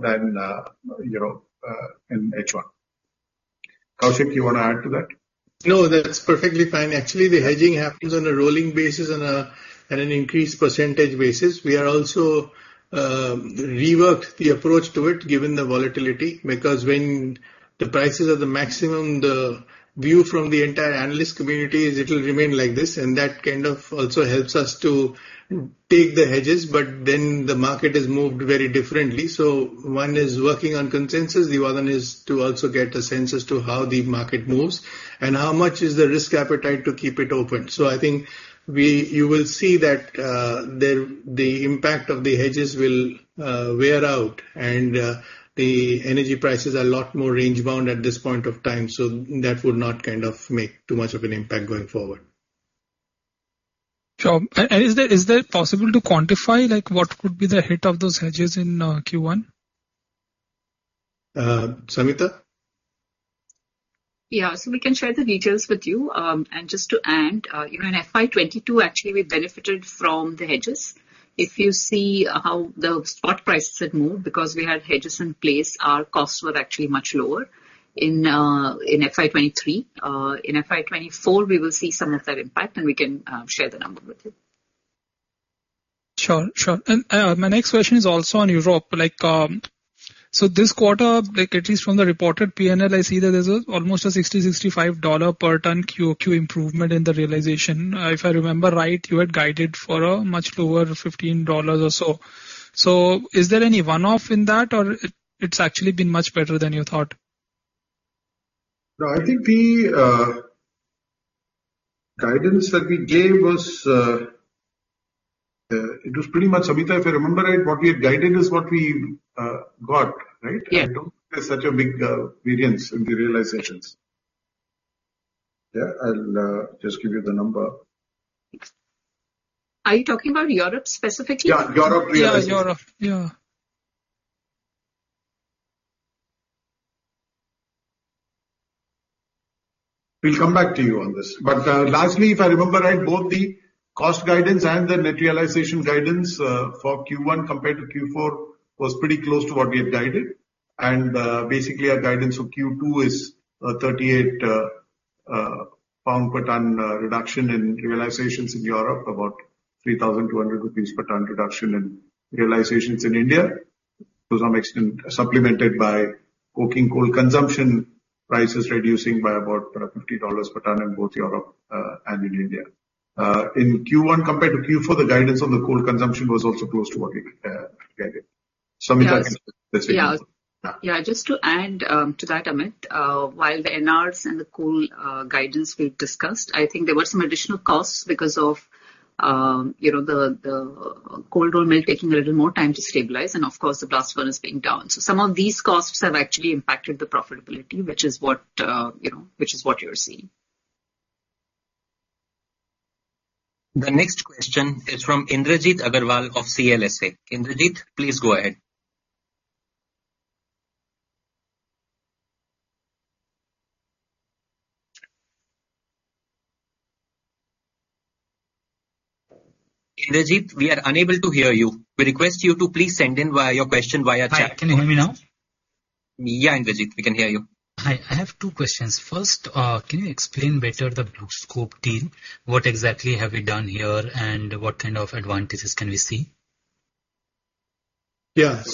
than, you know, in H1. Koushik, you want to add to that? No, that's perfectly fine. Actually, the hedging happens on a rolling basis on an increased percentage basis. We are also reworked the approach to it, given the volatility, because when the prices are the maximum, the view from the entire analyst community is it will remain like this, and that kind of also helps us to take the hedges, but then the market has moved very differently. One is working on consensus, the other 1 is to also get a sense as to how the market moves and how much is the risk appetite to keep it open. I think we, you will see that the impact of the hedges will wear out, and the energy prices are a lot more range-bound at this point of time, so that would not kind of make too much of an impact going forward. Sure. Is there, is it possible to quantify, like, what could be the hit of those hedges in Q1? Samita? Yeah. We can share the details with you. Just to add, you know, in FY 2022, actually, we benefited from the hedges. If you see how the spot prices had moved, because we had hedges in place, our costs were actually much lower in FY 2023. In FY 2024, we will see some of that impact, we can share the number with you. Sure. My next question is also on Europe. This quarter, like at least from the reported PNL, I see that there's almost a $60-$65 per tonne QOQ improvement in the realization. If I remember right, you had guided for a much lower $15 or so. Is there any one-off in that, or it's actually been much better than you thought? I think the guidance that we gave was it was pretty much, Samita, if I remember right, what we had guided is what we got, right? Yeah. There's not such a big variance in the realizations. I'll just give you the number. Are you talking about Europe specifically? Yeah, Europe realizations. Yeah, Europe. Yeah. We'll come back to you on this. Lastly, if I remember right, both the cost guidance and the net realization guidance for Q1 compared to Q4 was pretty close to what we have guided. Basically, our guidance for Q2 is 38 pound per ton reduction in realizations in Europe, about 3,200 rupees per ton reduction in realizations in India. To some extent, supplemented by coking coal consumption prices reducing by about $50 per ton in both Europe and in India. In Q1 compared to Q4, the guidance on the coal consumption was also close to what we guided. Samita. Yeah. Let's take it. Yeah. Yeah. Yeah, just to add to that, Amit, while the NRAs and the coal guidance we've discussed, I think there were some additional costs because of, you know, the cold-roll mill taking a little more time to stabilize, and of course, the blast furnace being down. Some of these costs have actually impacted the profitability, which is what, you know, which is what you're seeing. The next question is from Indrajit Agarwal of CLSA. Indrajit, please go ahead. Indrajit, we are unable to hear you. We request you to please send in your question via chat. Hi, can you hear me now? Yeah, Indrajit, we can hear you. Hi. I have 2 questions. 1st, can you explain better the BlueScope deal? What exactly have you done here, and what kind of advantages can we see? On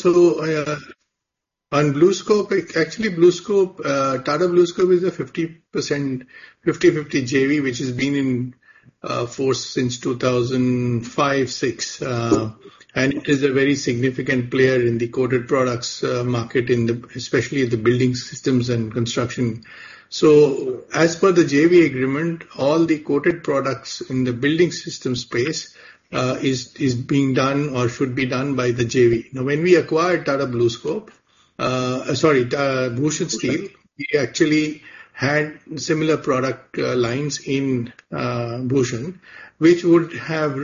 BlueScope, actually, BlueScope, Tata BlueScope is a 50%, 50/50 JV, which has been in force since 2005, 6. It is a very significant player in the coated products market, especially the building systems and construction. As per the JV agreement, all the coated products in the building system space is being done or should be done by the JV. Now, when we acquired Tata BlueScope, sorry, Bhushan Steel, we actually had similar product lines in Bhushan, which would have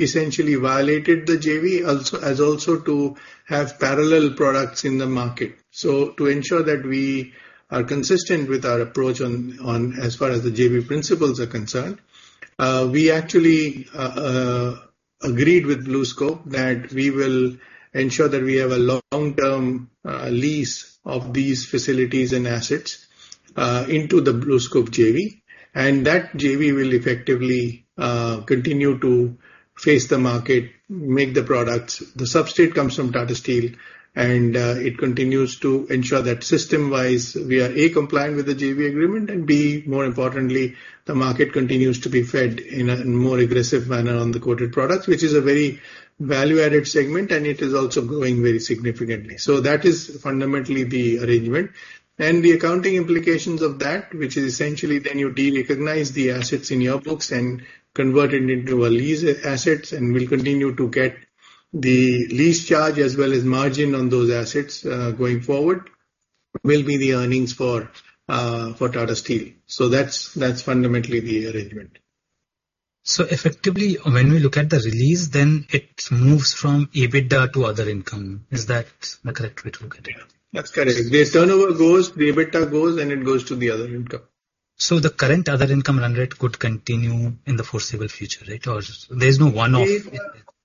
essentially violated the JV, also, as also to have parallel products in the market. To ensure that we are consistent with our approach on, as far as the JV principles are concerned, we actually agreed with BlueScope that we will ensure that we have a long-term lease of these facilities and assets into the BlueScope JV, and that JV will effectively continue to face the market, make the products. The substrate comes from Tata Steel, and it continues to ensure that system-wise, we are, A, compliant with the JV agreement, and, B, more importantly, the market continues to be fed in a more aggressive manner on the coated products, which is a very value-added segment, and it is also growing very significantly. That is fundamentally the arrangement. The accounting implications of that, which is essentially then you de-recognize the assets in your books and convert it into a lease assets, and we'll continue to get the lease charge as well as margin on those assets, going forward, will be the earnings for Tata Steel. That's fundamentally the arrangement. Effectively, when we look at the release, then it moves from EBITDA to other income. Is that the correct way to look at it? That's correct. The turnover goes, the EBITDA goes, and it goes to the other income. The current other income run rate could continue in the foreseeable future, right? Or there's no one-off?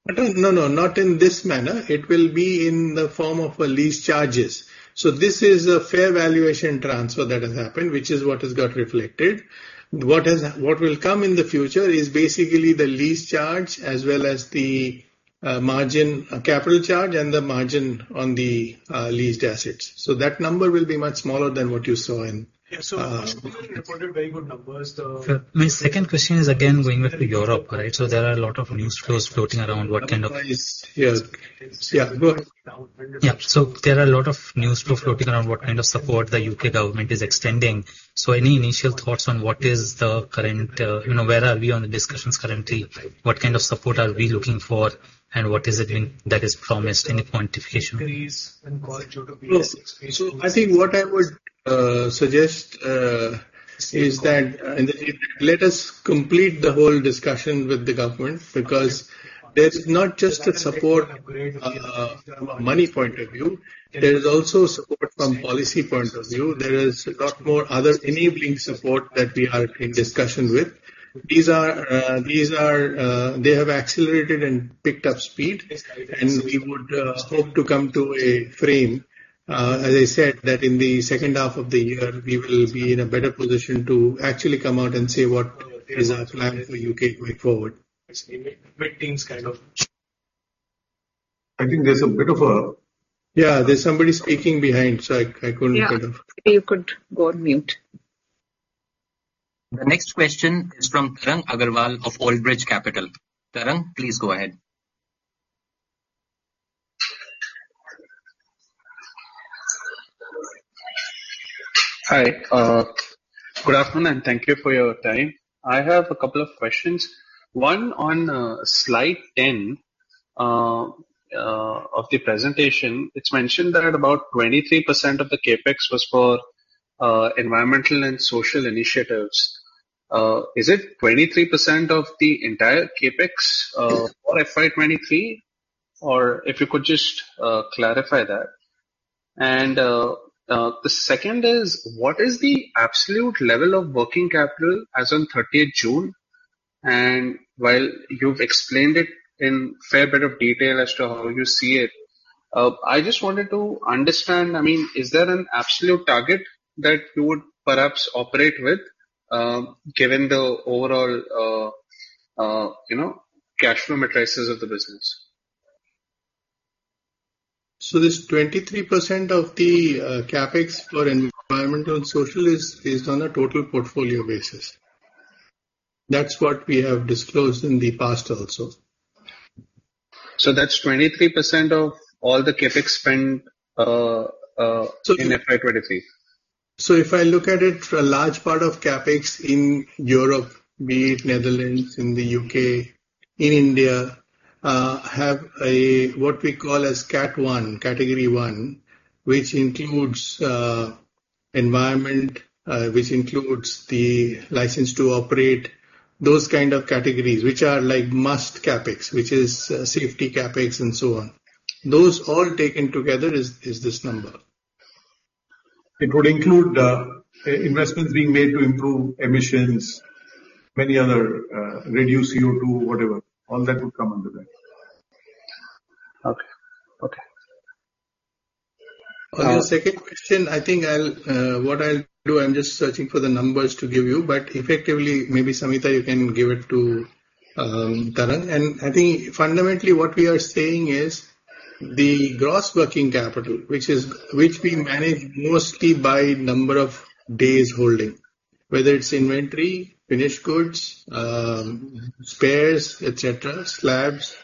No, no, not in this manner. It will be in the form of a lease charges. This is a fair valuation transfer that has happened, which is what has got reflected. What will come in the future is basically the lease charge as well as the margin, capital charge and the margin on the leased assets. That number will be much smaller than what you saw in. Yeah, reported very good numbers. My 2nd question is again going back to Europe, right? There are a lot of news flows floating around. Yeah. Yeah, go ahead. Yeah. There are a lot of news flow floating around what kind of support the U.K. government is extending. Any initial thoughts on what is the current, you know, where are we on the discussions currently? What kind of support are we looking for, and what is it in that is promised, any quantification? Increase in quarter I think what I would suggest is that, Indrajit, let us complete the whole discussion with the government, because there's not just a support from a money point of view, there is also support from policy point of view. There is a lot more other enabling support that we are in discussion with. These are, they have accelerated and picked up speed, and we would hope to come to a frame. As I said that in the second half of the year, we will be in a better position to actually come out and say what is our plan for UK going forward. Meetings kind of. I think there's a bit of a. Yeah, there's somebody speaking behind, so I couldn't kind of. Yeah, you could go on mute. The next question is from Tarang Agrawal of Old Bridge Capital. Tarang, please go ahead. Hi, good afternoon, thank you for your time. I have a couple of questions, one on slide 10 of the presentation, it's mentioned that about 23% of the CapEx was for environmental and social initiatives. Is it 23% of the entire CapEx for FY 2023? If you could just clarify that. The second is, what is the absolute level of working capital as on 30th June? While you've explained it in fair bit of detail as to how you see it, I just wanted to understand, I mean, is there an absolute target that you would perhaps operate with, given the overall, you know, cash flow matrices of the business? This 23% of the CapEx for environmental and social is based on a total portfolio basis. That's what we have disclosed in the past also. That's 23% of all the CapEx spend in FY23? If I look at it, a large part of CapEx in Europe, be it Netherlands, in the UK, in India, have a, what we call as Cat One, Category One, which includes environment, which includes the license to operate, those kind of categories, which are like must CapEx, which is safety CapEx and so on. Those all taken together is this number. It would include investments being made to improve emissions, many other, reduce CO2, whatever. All that would come under that. Okay. Okay. On your 2nd question, I think I'll, what I'll do, I'm just searching for the numbers to give you, but effectively, maybe, Samita, you can give it to Tarang. I think fundamentally what we are saying is the gross working capital, which is, which we manage mostly by number of days holding, whether it's inventory, finished goods, spares, et cetera, slabs,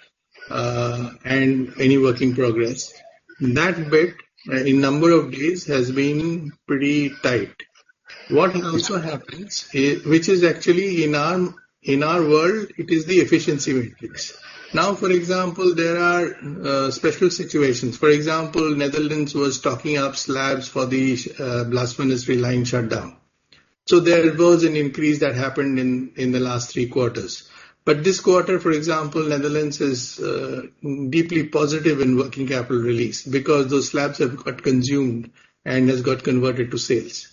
and any work in progress. That bit, in number of days, has been pretty tight. What also happens, which is actually in our, in our world, it is the efficiency matrix. For example, there are special situations. For example, Netherlands was stocking up slabs for the blast ministry line shutdown. There was an increase that happened in the last 3 quarters. This quarter, for example, Tata Steel Netherlands is deeply positive in working capital release because those slabs have got consumed and has got converted to sales.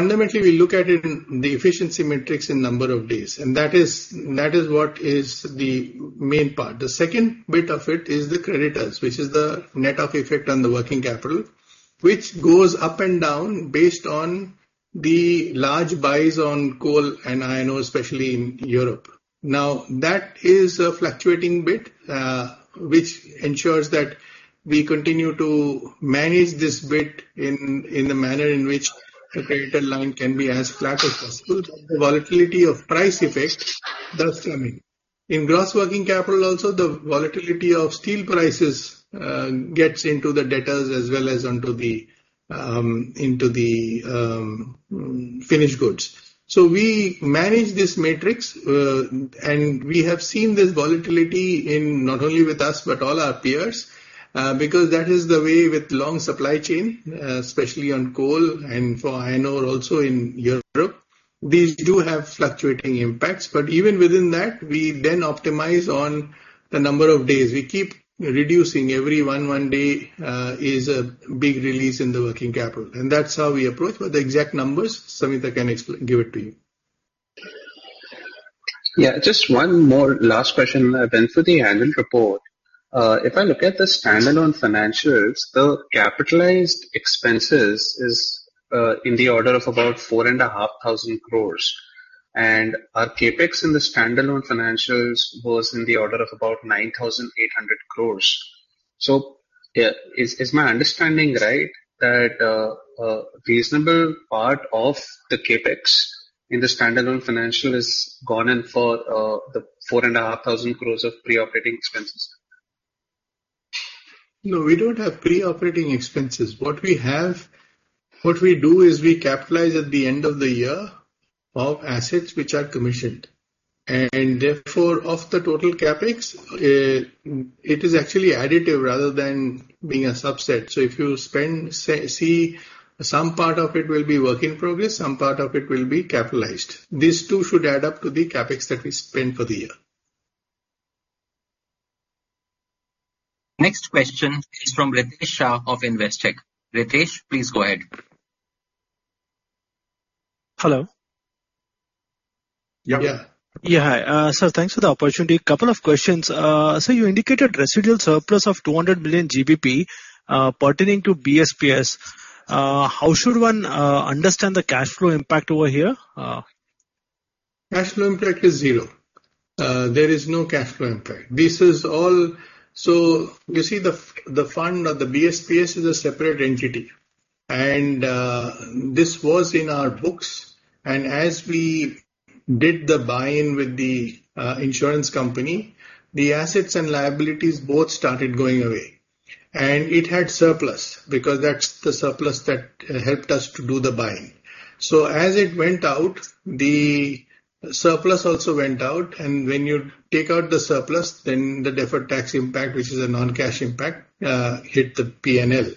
Fundamentally, we look at it in the efficiency matrix in number of days, and that is what is the main part. The second bit of it is the creditors, which is the net of effect on the working capital, which goes up and down based on the large buys on coal and iron ore, especially in Europe. That is a fluctuating bit, which ensures that we continue to manage this bit in the manner in which the creditor line can be as flat as possible. The volatility of price effect does come in. In gross working capital also, the volatility of steel prices gets into the debtors as well as onto the into the finished goods. We manage this matrix, and we have seen this volatility in not only with us, but all our peers, because that is the way with long supply chain, especially on coal and for iron ore also in Europe. These do have fluctuating impacts, but even within that, we then optimize on the number of days. We keep reducing every 1 day, is a big release in the working capital, and that's how we approach. The exact numbers, Samita can give it to you. Just one more last question, then for the annual report. If I look at the standalone financials, the capitalized expenses is in the order of about 4,500 crores. Our CapEx in the standalone financials was in the order of about 9,800 crores. Is my understanding right that a reasonable part of the CapEx in the standalone financial is gone in for the 4,500 crores of pre-operating expenses? No, we don't have pre-operating expenses. What we have, what we do is we capitalize at the end of the year of assets which are commissioned. Therefore, of the total CapEx, it is actually additive rather than being a subset. If you spend, see, some part of it will be work in progress, some part of it will be capitalized. These 2 should add up to the CapEx that we spent for the year. Next question is from Ritesh Shah of Investec. Ritesh, please go ahead. Hello. Yeah. Yeah. Yeah. Thanks for the opportunity. Couple of questions. You indicated residual surplus of 200 billion GBP pertaining to BSPS. How should one understand the cash flow impact over here? Cash flow impact is zero. There is no cash flow impact. This is all... you see, the fund or the BSPS is a separate entity, and this was in our books, and as we did the buy-in with the insurance company, the assets and liabilities both started going away....It had surplus, because that's the surplus that helped us to do the buying. As it went out, the surplus also went out, and when you take out the surplus, then the deferred tax impact, which is a non-cash impact, hit the PNL.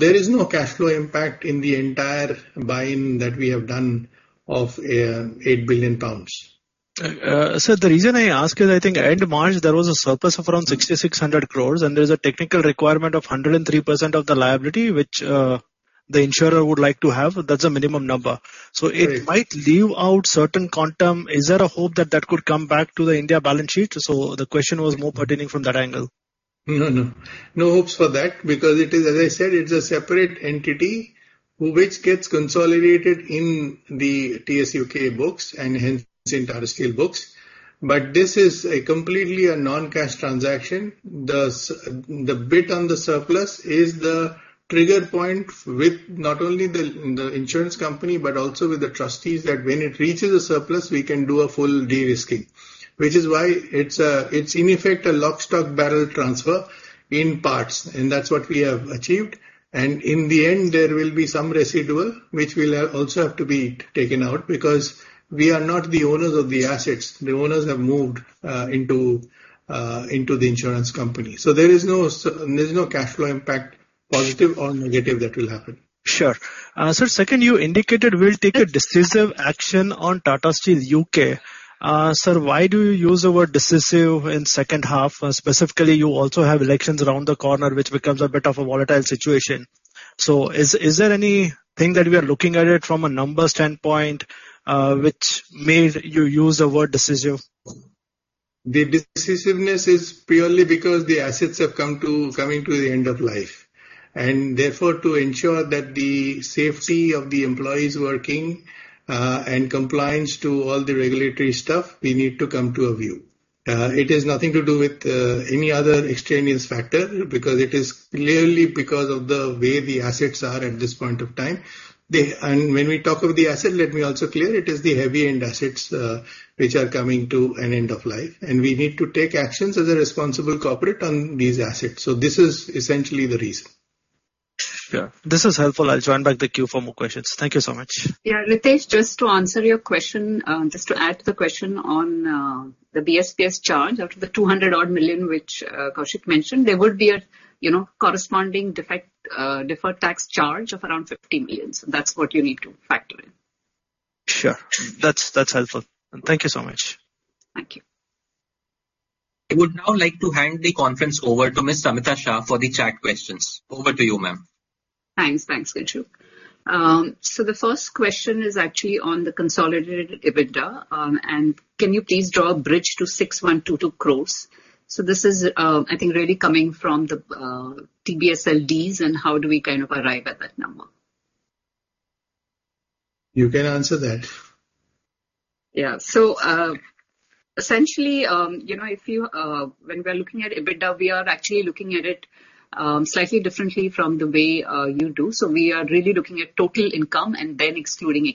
There is no cash flow impact in the entire buying that we have done of 8 billion pounds. Sir, the reason I ask is, I think end of March, there was a surplus of around 6,600 crores. There's a technical requirement of 103% of the liability, which the insurer would like to have. That's a minimum number. Right. It might leave out certain quantum. Is there a hope that that could come back to the India balance sheet? The question was more pertaining from that angle. No, no. No hopes for that, because it is, as I said, it's a separate entity, which gets consolidated in the TSUK books and hence the Tata Steel books. This is a completely a non-cash transaction. The bit on the surplus is the trigger point with not only the insurance company, but also with the trustees, that when it reaches a surplus, we can do a full de-risking. It's in effect, a lock, stock, barrel transfer in parts, and that's what we have achieved. In the end, there will be some residual which will also have to be taken out, because we are not the owners of the assets. The owners have moved into the insurance company. There's no cash flow impact, positive or negative, that will happen. Sure. Sir, 2nd, you indicated we'll take a decisive action on Tata Steel UK. Sir, why do you use the word decisive in second half? Specifically, you also have elections around the corner, which becomes a bit of a volatile situation. Is there anything that we are looking at it from a numbers standpoint, which made you use the word decisive? The decisiveness is purely because the assets coming to the end of life. Therefore, to ensure that the safety of the employees working and compliance to all the regulatory stuff, we need to come to a view. It has nothing to do with any other extraneous factor, because it is clearly because of the way the assets are at this point of time. When we talk of the asset, let me also clear, it is the heavy end assets which are coming to an end of life, and we need to take actions as a responsible corporate on these assets. This is essentially the reason. Sure. This is helpful. I'll join back the queue for more questions. Thank you so much. Ritesh, just to answer your question, just to add to the question on the BSPS charge, after the 200 odd million, which Koushik mentioned, there would be a, you know, corresponding deferred tax charge of around 50 million. That's what you need to factor in. Sure. That's helpful. Thank you so much. Thank you. I would now like to hand the conference over to Miss Samita Shah for the chat questions. Over to you, ma'am. Thanks. Thanks, Kinshuk. The first question is actually on the consolidated EBITDA, and can you please draw a bridge to 6,122 crores? This is, I think, really coming from the, TSLP, and how do we kind of arrive at that number? You can answer that. Essentially, you know, if you when we're looking at EBITDA, we are actually looking at it slightly differently from the way you do. We are really looking at total income and then excluding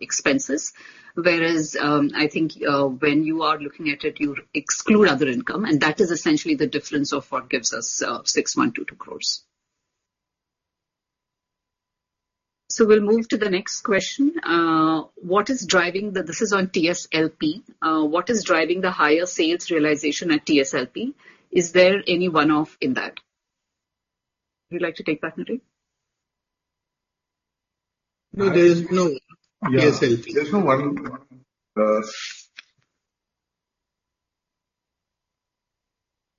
expenses. Whereas, I think, when you are looking at it, you exclude other income, and that is essentially the difference of what gives us 6,122 crores. We'll move to the next question. What is driving This is on TSLP. What is driving the higher sales realization at TSLP? Is there any one-off in that? Would you like to take that, T.V.? No, there is no TSLP. Yeah. There's no one.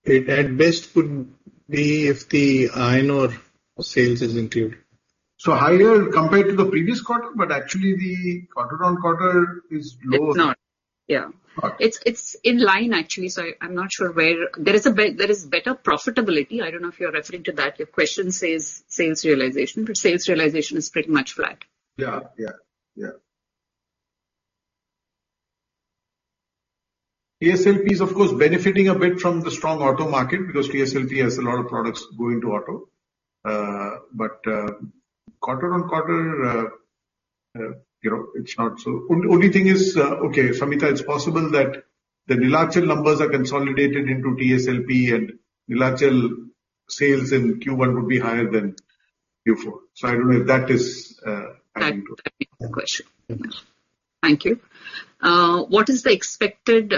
It at best could be if the iron ore sales is included. Higher compared to the previous quarter, but actually the quarter-on-quarter is lower. It's not. Yeah. Okay. It's in line, actually. I'm not sure where. There is better profitability. I don't know if you're referring to that. Your question says, sales realization, sales realization is pretty much flat. Yeah, yeah. TSLP is, of course, benefiting a bit from the strong auto market, because TSLP has a lot of products going to auto. quarter on quarter, you know, it's not so... Only thing is, okay, Samita, it's possible that the Neelachal numbers are consolidated into TSLP, and Neelachal sales in Q1 would be higher than before. I don't know if that is adding to it? That, the question. Thank you. Thank you. What is the expected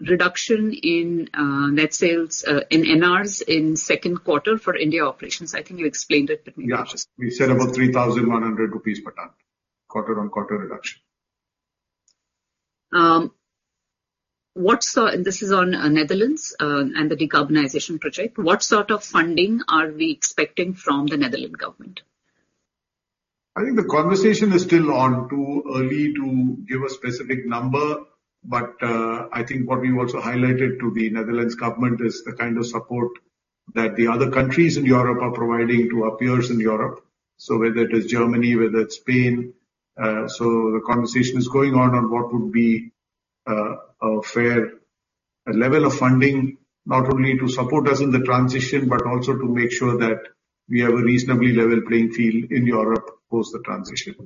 reduction in net sales in NRs in Q2 for India operations? I think you explained it, but let me. Yeah. We said about 3,100 rupees per ton, quarter-on-quarter reduction. This is on Netherlands and the decarbonization project. What sort of funding are we expecting from the Netherlands government? I think the conversation is still on, too early to give a specific number, but I think what we've also highlighted to the Netherlands government is the kind of support that the other countries in Europe are providing to our peers in Europe, so whether it is Germany, whether it's Spain. The conversation is going on what would be a fair, a level of funding, not only to support us in the transition, but also to make sure that we have a reasonably level playing field in Europe post the transition.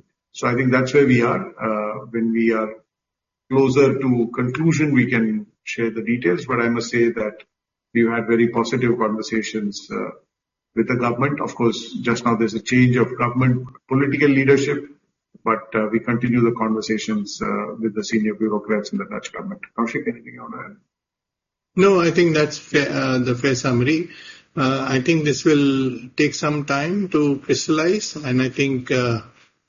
I think that's where we are, when we are closer to conclusion, we can share the details. I must say that we've had very positive conversations with the government. Of course, just now there's a change of government political leadership, but we continue the conversations with the senior bureaucrats in the Dutch government. Koushik, anything you wanna add? No, I think that's fair, the fair summary. I think this will take some time to crystallize, and I think,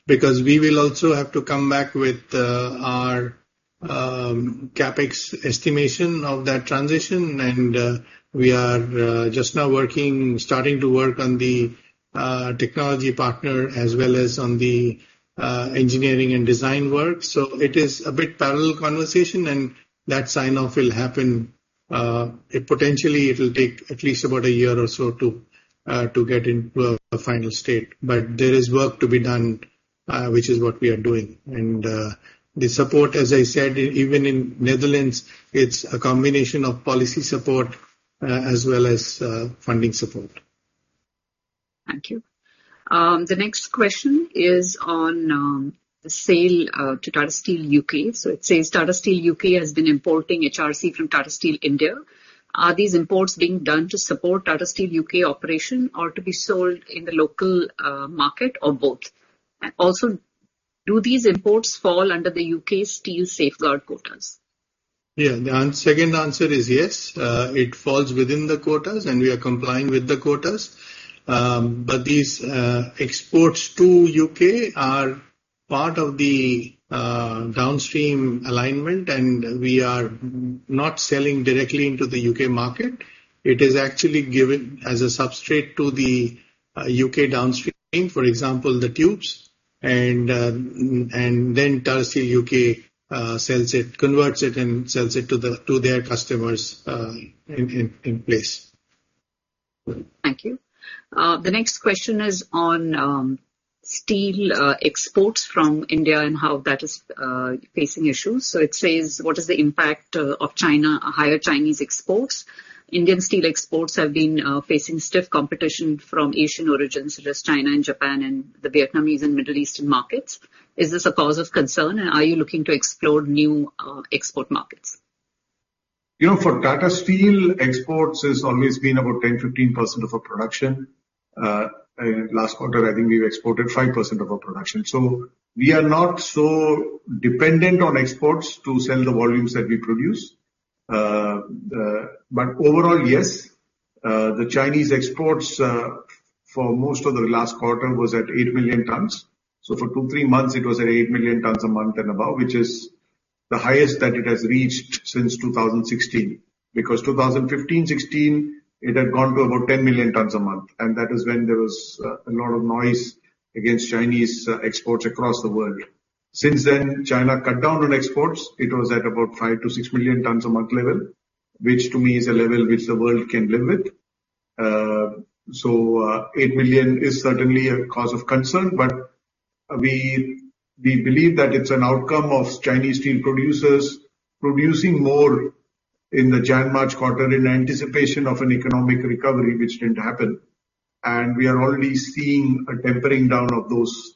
because we will also have to come back with, our CapEx estimation of that transition. We are just now working, starting to work on the technology partner as well as on the engineering and design work. It is a bit parallel conversation, and that sign-off will happen, it potentially it will take at least about a year or so to get into a final state. There is work to be done, which is what we are doing. The support, as I said, even in Netherlands, it's a combination of policy support, as well as funding support. Thank you. The next question is on the sale to Tata Steel UK. It says: Tata Steel UK has been importing HRC from Tata Steel India. Are these imports being done to support Tata Steel UK operation or to be sold in the local market or both? Also, do these imports fall under the UK steel safeguard quotas? Yeah. The 2nd answer is yes. It falls within the quotas, and we are complying with the quotas. These exports to UK are part of the downstream alignment, and we are not selling directly into the UK market. It is actually given as a substrate to the UK downstream, for example, the tubes. Then Tata Steel UK sells it, converts it and sells it to their customers in place. Thank you. The next question is on steel exports from India and how that is facing issues. It says: What is the impact of China, higher Chinese exports? Indian steel exports have been facing stiff competition from Asian origins such as China and Japan and the Vietnamese and Middle Eastern markets. Is this a cause of concern, and are you looking to explore new export markets? You know, for Tata Steel, exports has always been about 10-15% of our production. Last quarter, I think we exported 5% of our production. We are not so dependent on exports to sell the volumes that we produce. Overall, yes, the Chinese exports for most of the last quarter was at 8 million tons. For 2-3 months, it was at 8 million tons a month and above, which is the highest that it has reached since 2016. 2015-2016, it had gone to about 10 million tons a month, and that is when there was a lot of noise against Chinese exports across the world. Since then, China cut down on exports. It was at about 5 million-6 million tons a month level, which to me is a level which the world can live with. 8 million is certainly a cause of concern, but we believe that it's an outcome of Chinese steel producers producing more in the Jan-March quarter in anticipation of an economic recovery, which didn't happen. We are already seeing a tempering down of those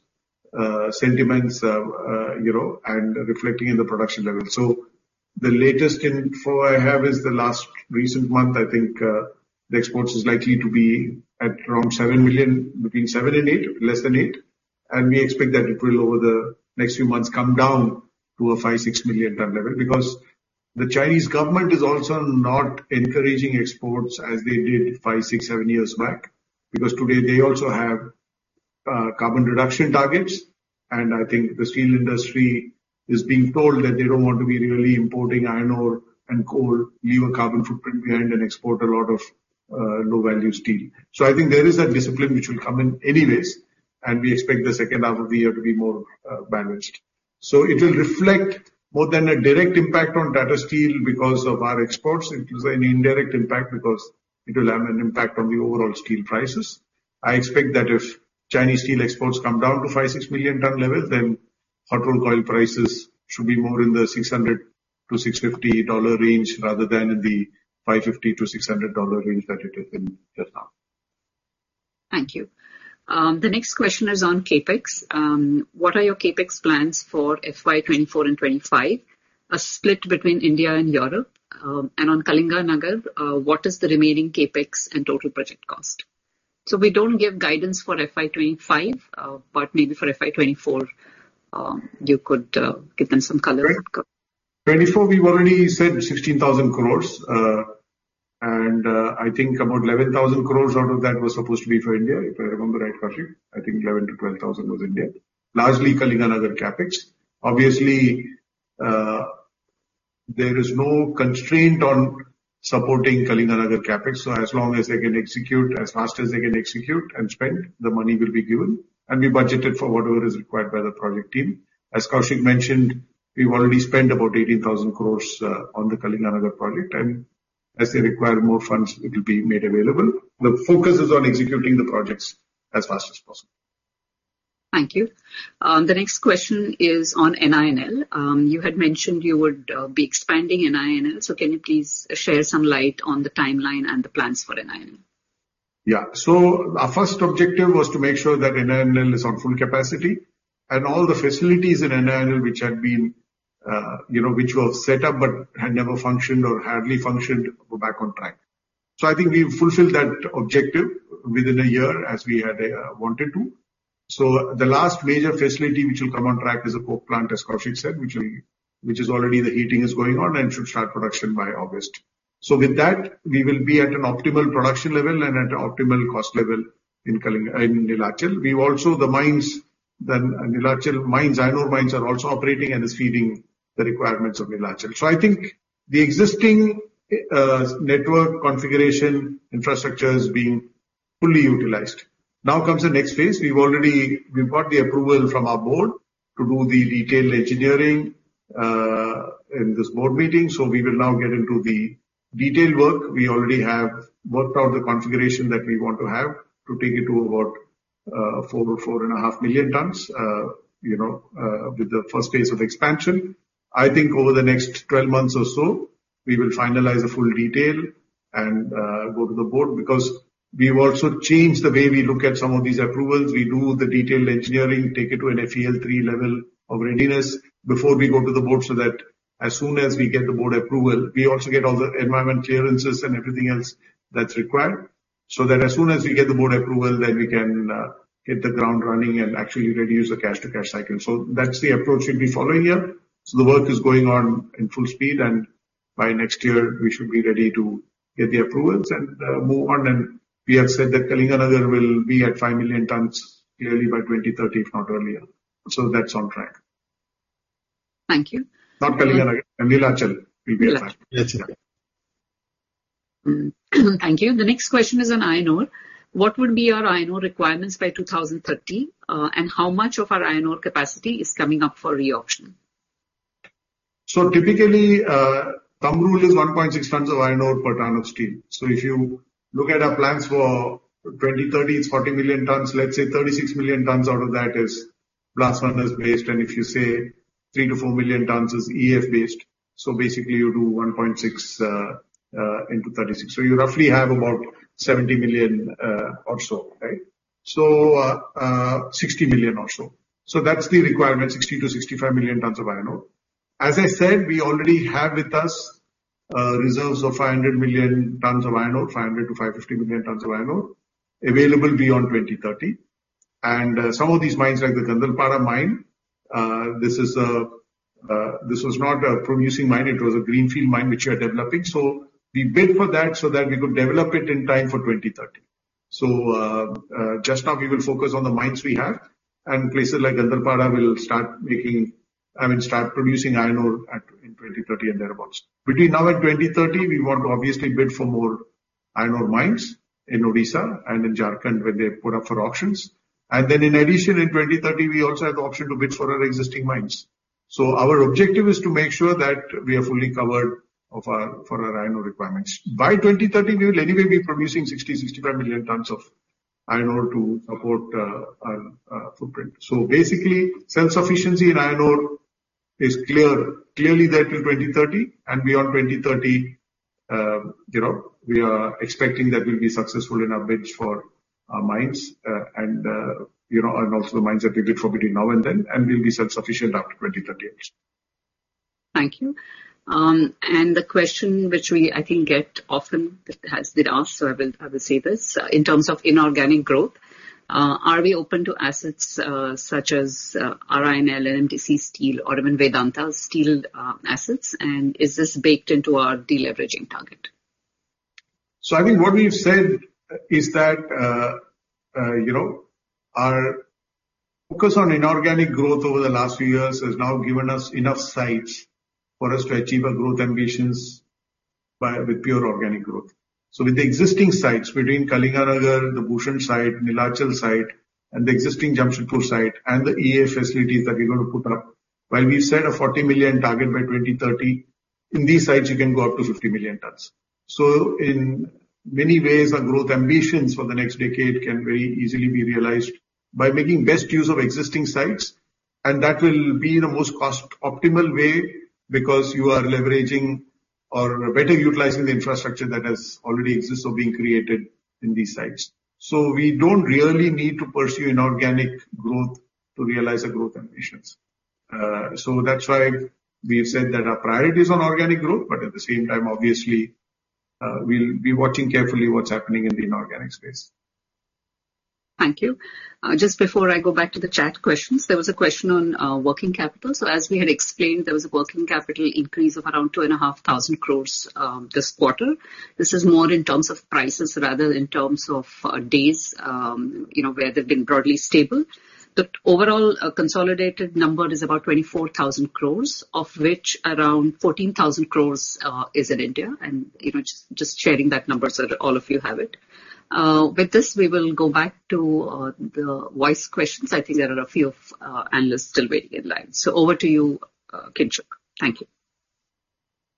sentiments, you know, and reflecting in the production level. The latest info I have is the last recent month, I think, the exports is likely to be at around 7 million, between 7 and 8, less than 8. We expect that it will, over the next few months, come down to a 5 million-6 million ton level. The Chinese government is also not encouraging exports as they did five, six, seven years back, because today they also have carbon reduction targets. I think the steel industry is being told that they don't want to be really importing iron ore and coal, leave a carbon footprint behind and export a lot of low-value steel. I think there is a discipline which will come in anyways, and we expect the second half of the year to be more balanced. It will reflect more than a direct impact on Tata Steel because of our exports. It is an indirect impact because it will have an impact on the overall steel prices. I expect that if Chinese steel exports come down to 5, 6 million ton level, then hot rolled coil prices should be more in the $600-$650 range, rather than in the $550-$600 range that it is in just now. Thank you. The next question is on CapEx. What are your CapEx plans for FY 2024 and 2025, a split between India and Europe? And on Kalinganagar, what is the remaining CapEx and total project cost? We don't give guidance for FY 2025, but maybe for FY 2024, you could give them some color. 2024, we've already said 16,000 crores. I think about 11,000 crores out of that was supposed to be for India, if I remember right, Koushik. I think 11,000-12,000 crores was India. Largely Kalinganagar CapEx. Obviously, there is no constraint on supporting Kalinganagar CapEx, so as long as they can execute, as fast as they can execute and spend, the money will be given, and we budgeted for whatever is required by the project team. As Koushik mentioned, we've already spent about 18,000 crores on the Kalinganagar project, and as they require more funds, it will be made available. The focus is on executing the projects as fast as possible. Thank you. The next question is on NIN. You had mentioned you would be expanding NINL, so can you please shed some light on the timeline and the plans for NINL? Yeah. Our first objective was to make sure that NINL is on full capacity, and all the facilities in NINL which had been, you know, which were set up but had never functioned or hardly functioned, were back on track. I think we've fulfilled that objective within a year, as we had wanted to. The last major facility which will come on track is a coke plant, as Koushik said, which will, which is already the heating is going on and should start production by August. With that, we will be at an optimal production level and at optimal cost level in Neelachal. We've also, the mines, the Neelachal mines, iron ore mines, are also operating and is feeding the requirements of Neelachal. I think the existing network configuration infrastructure is being fully utilized. Now comes the next phase. We've already, we've got the approval from our board to do the detailed engineering in this board meeting, so we will now get into the detailed work. We already have worked out the configuration that we want to have to take it to about 4 or 4.5 million tons, you know, with the first phase of expansion. I think over the next 12 months or so, we will finalize the full detail and go to the board. We've also changed the way we look at some of these approvals. We do the detailed engineering, take it to an FEL 3 level of readiness before we go to the board, so that as soon as we get the board approval, we also get all the environment clearances and everything else that's required. That as soon as we get the board approval, then we can hit the ground running and actually reduce the cash to cash cycle. That's the approach we'll be following here. The work is going on in full speed, and by next year we should be ready to get the approvals and move on. We have said that Kalinganagar will be at 5 million tons yearly by 2030, if not earlier. That's on track. Thank you. Not Kalinganagar, Neelachal will be at 5. Neelachal. Yes, yeah. Thank you. The next question is on iron ore. What would be your iron ore requirements by 2030, and how much of our iron ore capacity is coming up for reauction? Typically, thumb rule is 1.6 tons of iron ore per ton of steel. If you look at our plans for 2030, it's 40 million tons. Let's say 36 million tons out of that is blast furnace based, and if you say 3-4 million tons is EF based, basically you do 1.6 into 36. You roughly have about 70 million or so, right? 60 million or so. That's the requirement, 60-65 million tons of iron ore. As I said, we already have with us reserves of 500 million tons of iron ore, 500-550 million tons of iron ore available beyond 2030. Some of these mines, like the Gandharpara mine, this is, this was not a producing mine, it was a greenfield mine which we are developing. We bid for that so that we could develop it in time for 2030. Just now we will focus on the mines we have, and places like Gandharpara will start making, I mean, start producing iron ore at, in 2030 and thereabouts. Between now and 2030, we want to obviously bid for more iron ore mines in Odisha and in Jharkhand when they put up for auctions. In addition, in 2030, we also have the option to bid for our existing mines. Our objective is to make sure that we are fully covered of our, for our iron ore requirements. By 2030, we will anyway be producing 60-65 million tons of iron ore to support our footprint. Basically, self-sufficiency in iron ore is clearly there till 2030, and beyond 2030, you know, we are expecting that we'll be successful in our bids for our mines. And, you know, and also the mines that we bid for between now and then, and we'll be self-sufficient after 2038. Thank you. The question which we I think get often, has been asked, I will say this. In terms of inorganic growth, are we open to assets such as RINL and NMDC Steel or even Vedanta Steel assets? Is this baked into our deleveraging target? I mean, what we've said is that, you know, our focus on inorganic growth over the last few years has now given us enough sites for us to achieve our growth ambitions by, with pure organic growth. With the existing sites between Kalinganagar, the Bhushan site, Neelachal site, and the existing Jamshedpur site, and the EF facilities that we're going to put up, while we've set a 40 million target by 2030, in these sites you can go up to 50 million tons. In many ways, our growth ambitions for the next decade can very easily be realized by making best use of existing sites, and that will be the most cost optimal way, because you are leveraging or better utilizing the infrastructure that has already exists or being created in these sites. We don't really need to pursue inorganic growth to realize our growth ambitions. That's why we have said that our priority is on organic growth, but at the same time, obviously, we'll be watching carefully what's happening in the inorganic space. Thank you. Just before I go back to the chat questions, there was a question on working capital. As we had explained, there was a working capital increase of around two and a half thousand crores this quarter. This is more in terms of prices rather than in terms of days, you know, where they've been broadly stable. The overall consolidated number is about 24,000 crores, of which around 14,000 crores is in India. You know, just sharing that number so that all of you have it. With this, we will go back to the voice questions. I think there are a few analysts still waiting in line. Over to you, Kinshuk. Thank you.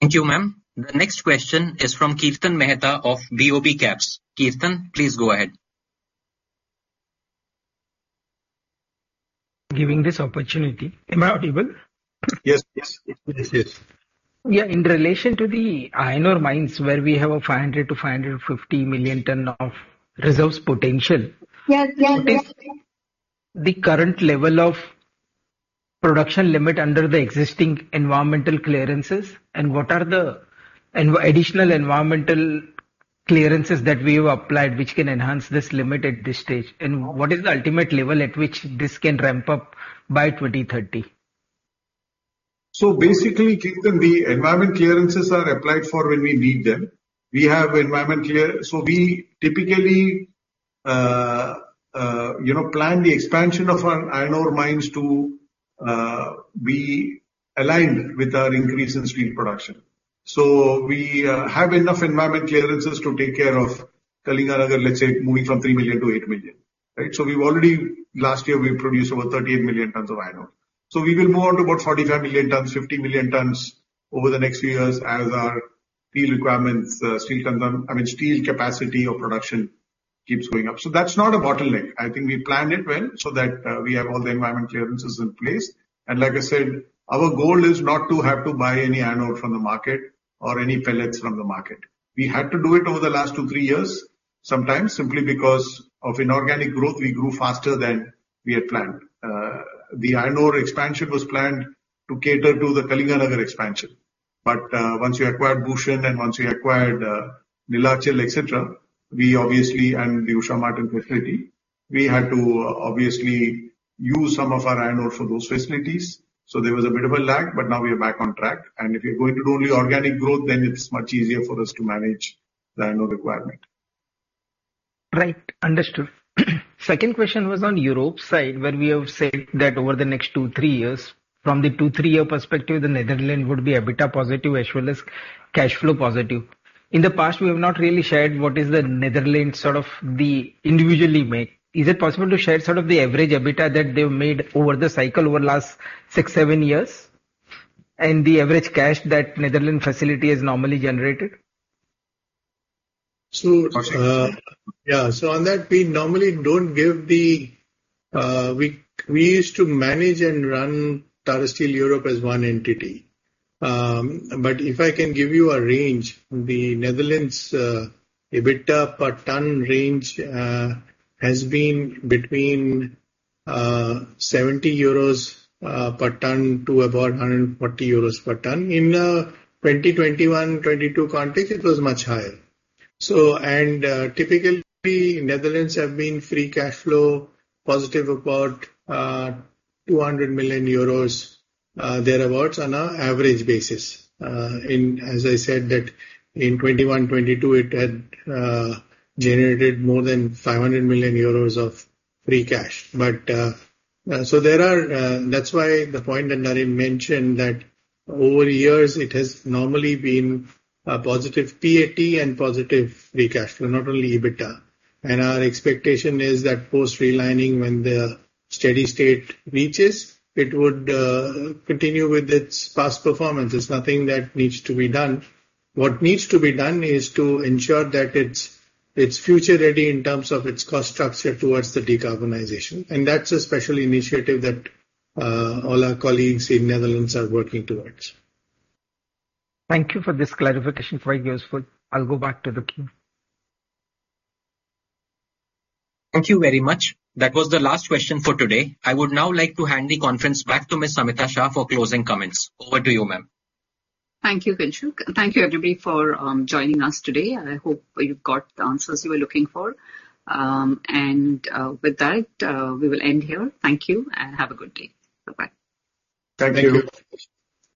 Thank you, ma'am. The next question is from Kirtan Mehta of BOB CAPS. Kirtan, please go ahead. giving this opportunity. Am I audible? Yes, yes. Yes, yes. Yeah, in relation to the iron ore mines, where we have a 500-550 million tons of reserves potential. Yes, yes. What is the current level of production limit under the existing environmental clearances? What are the additional environmental clearances that we have applied, which can enhance this limit at this stage? What is the ultimate level at which this can ramp up by 2030? Basically, Kirtan, the environment clearances are applied for when we need them. We have environment clear, so we typically, you know, plan the expansion of our iron ore mines to be aligned with our increase in steel production. We have enough environment clearances to take care of Kalinganagar, let's say, moving from 3 million to 8 million, right? We've already, last year, we produced over 13 million tons of iron ore. We will move on to about 45 million tons, 50 million tons over the next few years as our steel requirements, steel concern, I mean, steel capacity or production keeps going up. That's not a bottleneck. I think we planned it well so that we have all the environment clearances in place. Like I said, our goal is not to have to buy any iron ore from the market or any pellets from the market. We had to do it over the last 2, 3 years, sometimes simply because of inorganic growth, we grew faster than we had planned. The iron ore expansion was planned to cater to the Kalinganagar expansion. Once you acquired Bhushan and once you acquired, Neelachal, et cetera, we obviously, and the Usha Martin facility, we had to obviously use some of our iron ore for those facilities. There was a bit of a lag, but now we are back on track, and if you're going to do only organic growth, then it's much easier for us to manage the iron ore requirement. Right. Understood. 2nd question was on Europe side, where we have said that over the next 2, 3 years, from the 2, 3-year perspective, the Netherlands would be EBITDA positive as well as cash flow positive. In the past, we have not really shared what is the Netherlands, sort of the individually make. Is it possible to share sort of the average EBITDA that they've made over the cycle over the last 6, 7 years, and the average cash that Netherlands facility has normally generated? Yeah. On that, we normally don't give the, we used to manage and run Tata Steel Europe as one entity. If I can give you a range, the Netherlands EBITDA per ton range has been between 70 euros per ton to about 140 euros per ton. In 2021, 2022 context, it was much higher. Typically, Netherlands have been free cash flow positive, about 200 million euros thereabouts, on an average basis. As I said, that in 2021, 2022, it had generated more than 500 million euros of free cash. There are, that's why the point that Naren mentioned, that over the years it has normally been a positive PAT and positive free cash flow, not only EBITDA. Our expectation is that post-relining, when the steady state reaches, it would continue with its past performance. There's nothing that needs to be done. What needs to be done is to ensure that it's future-ready in terms of its cost structure towards the decarbonization. That's a special initiative that all our colleagues in Netherlands are working towards. Thank you for this clarification, very useful. I'll go back to the queue. Thank you very much. That was the last question for today. I would now like to hand the conference back to Ms. Samita Shah for closing comments. Over to you, ma'am. Thank you, Kailash. Thank you, everybody, for joining us today. I hope you got the answers you were looking for. With that, we will end here. Thank you and have a good day. Bye-bye. Thank you.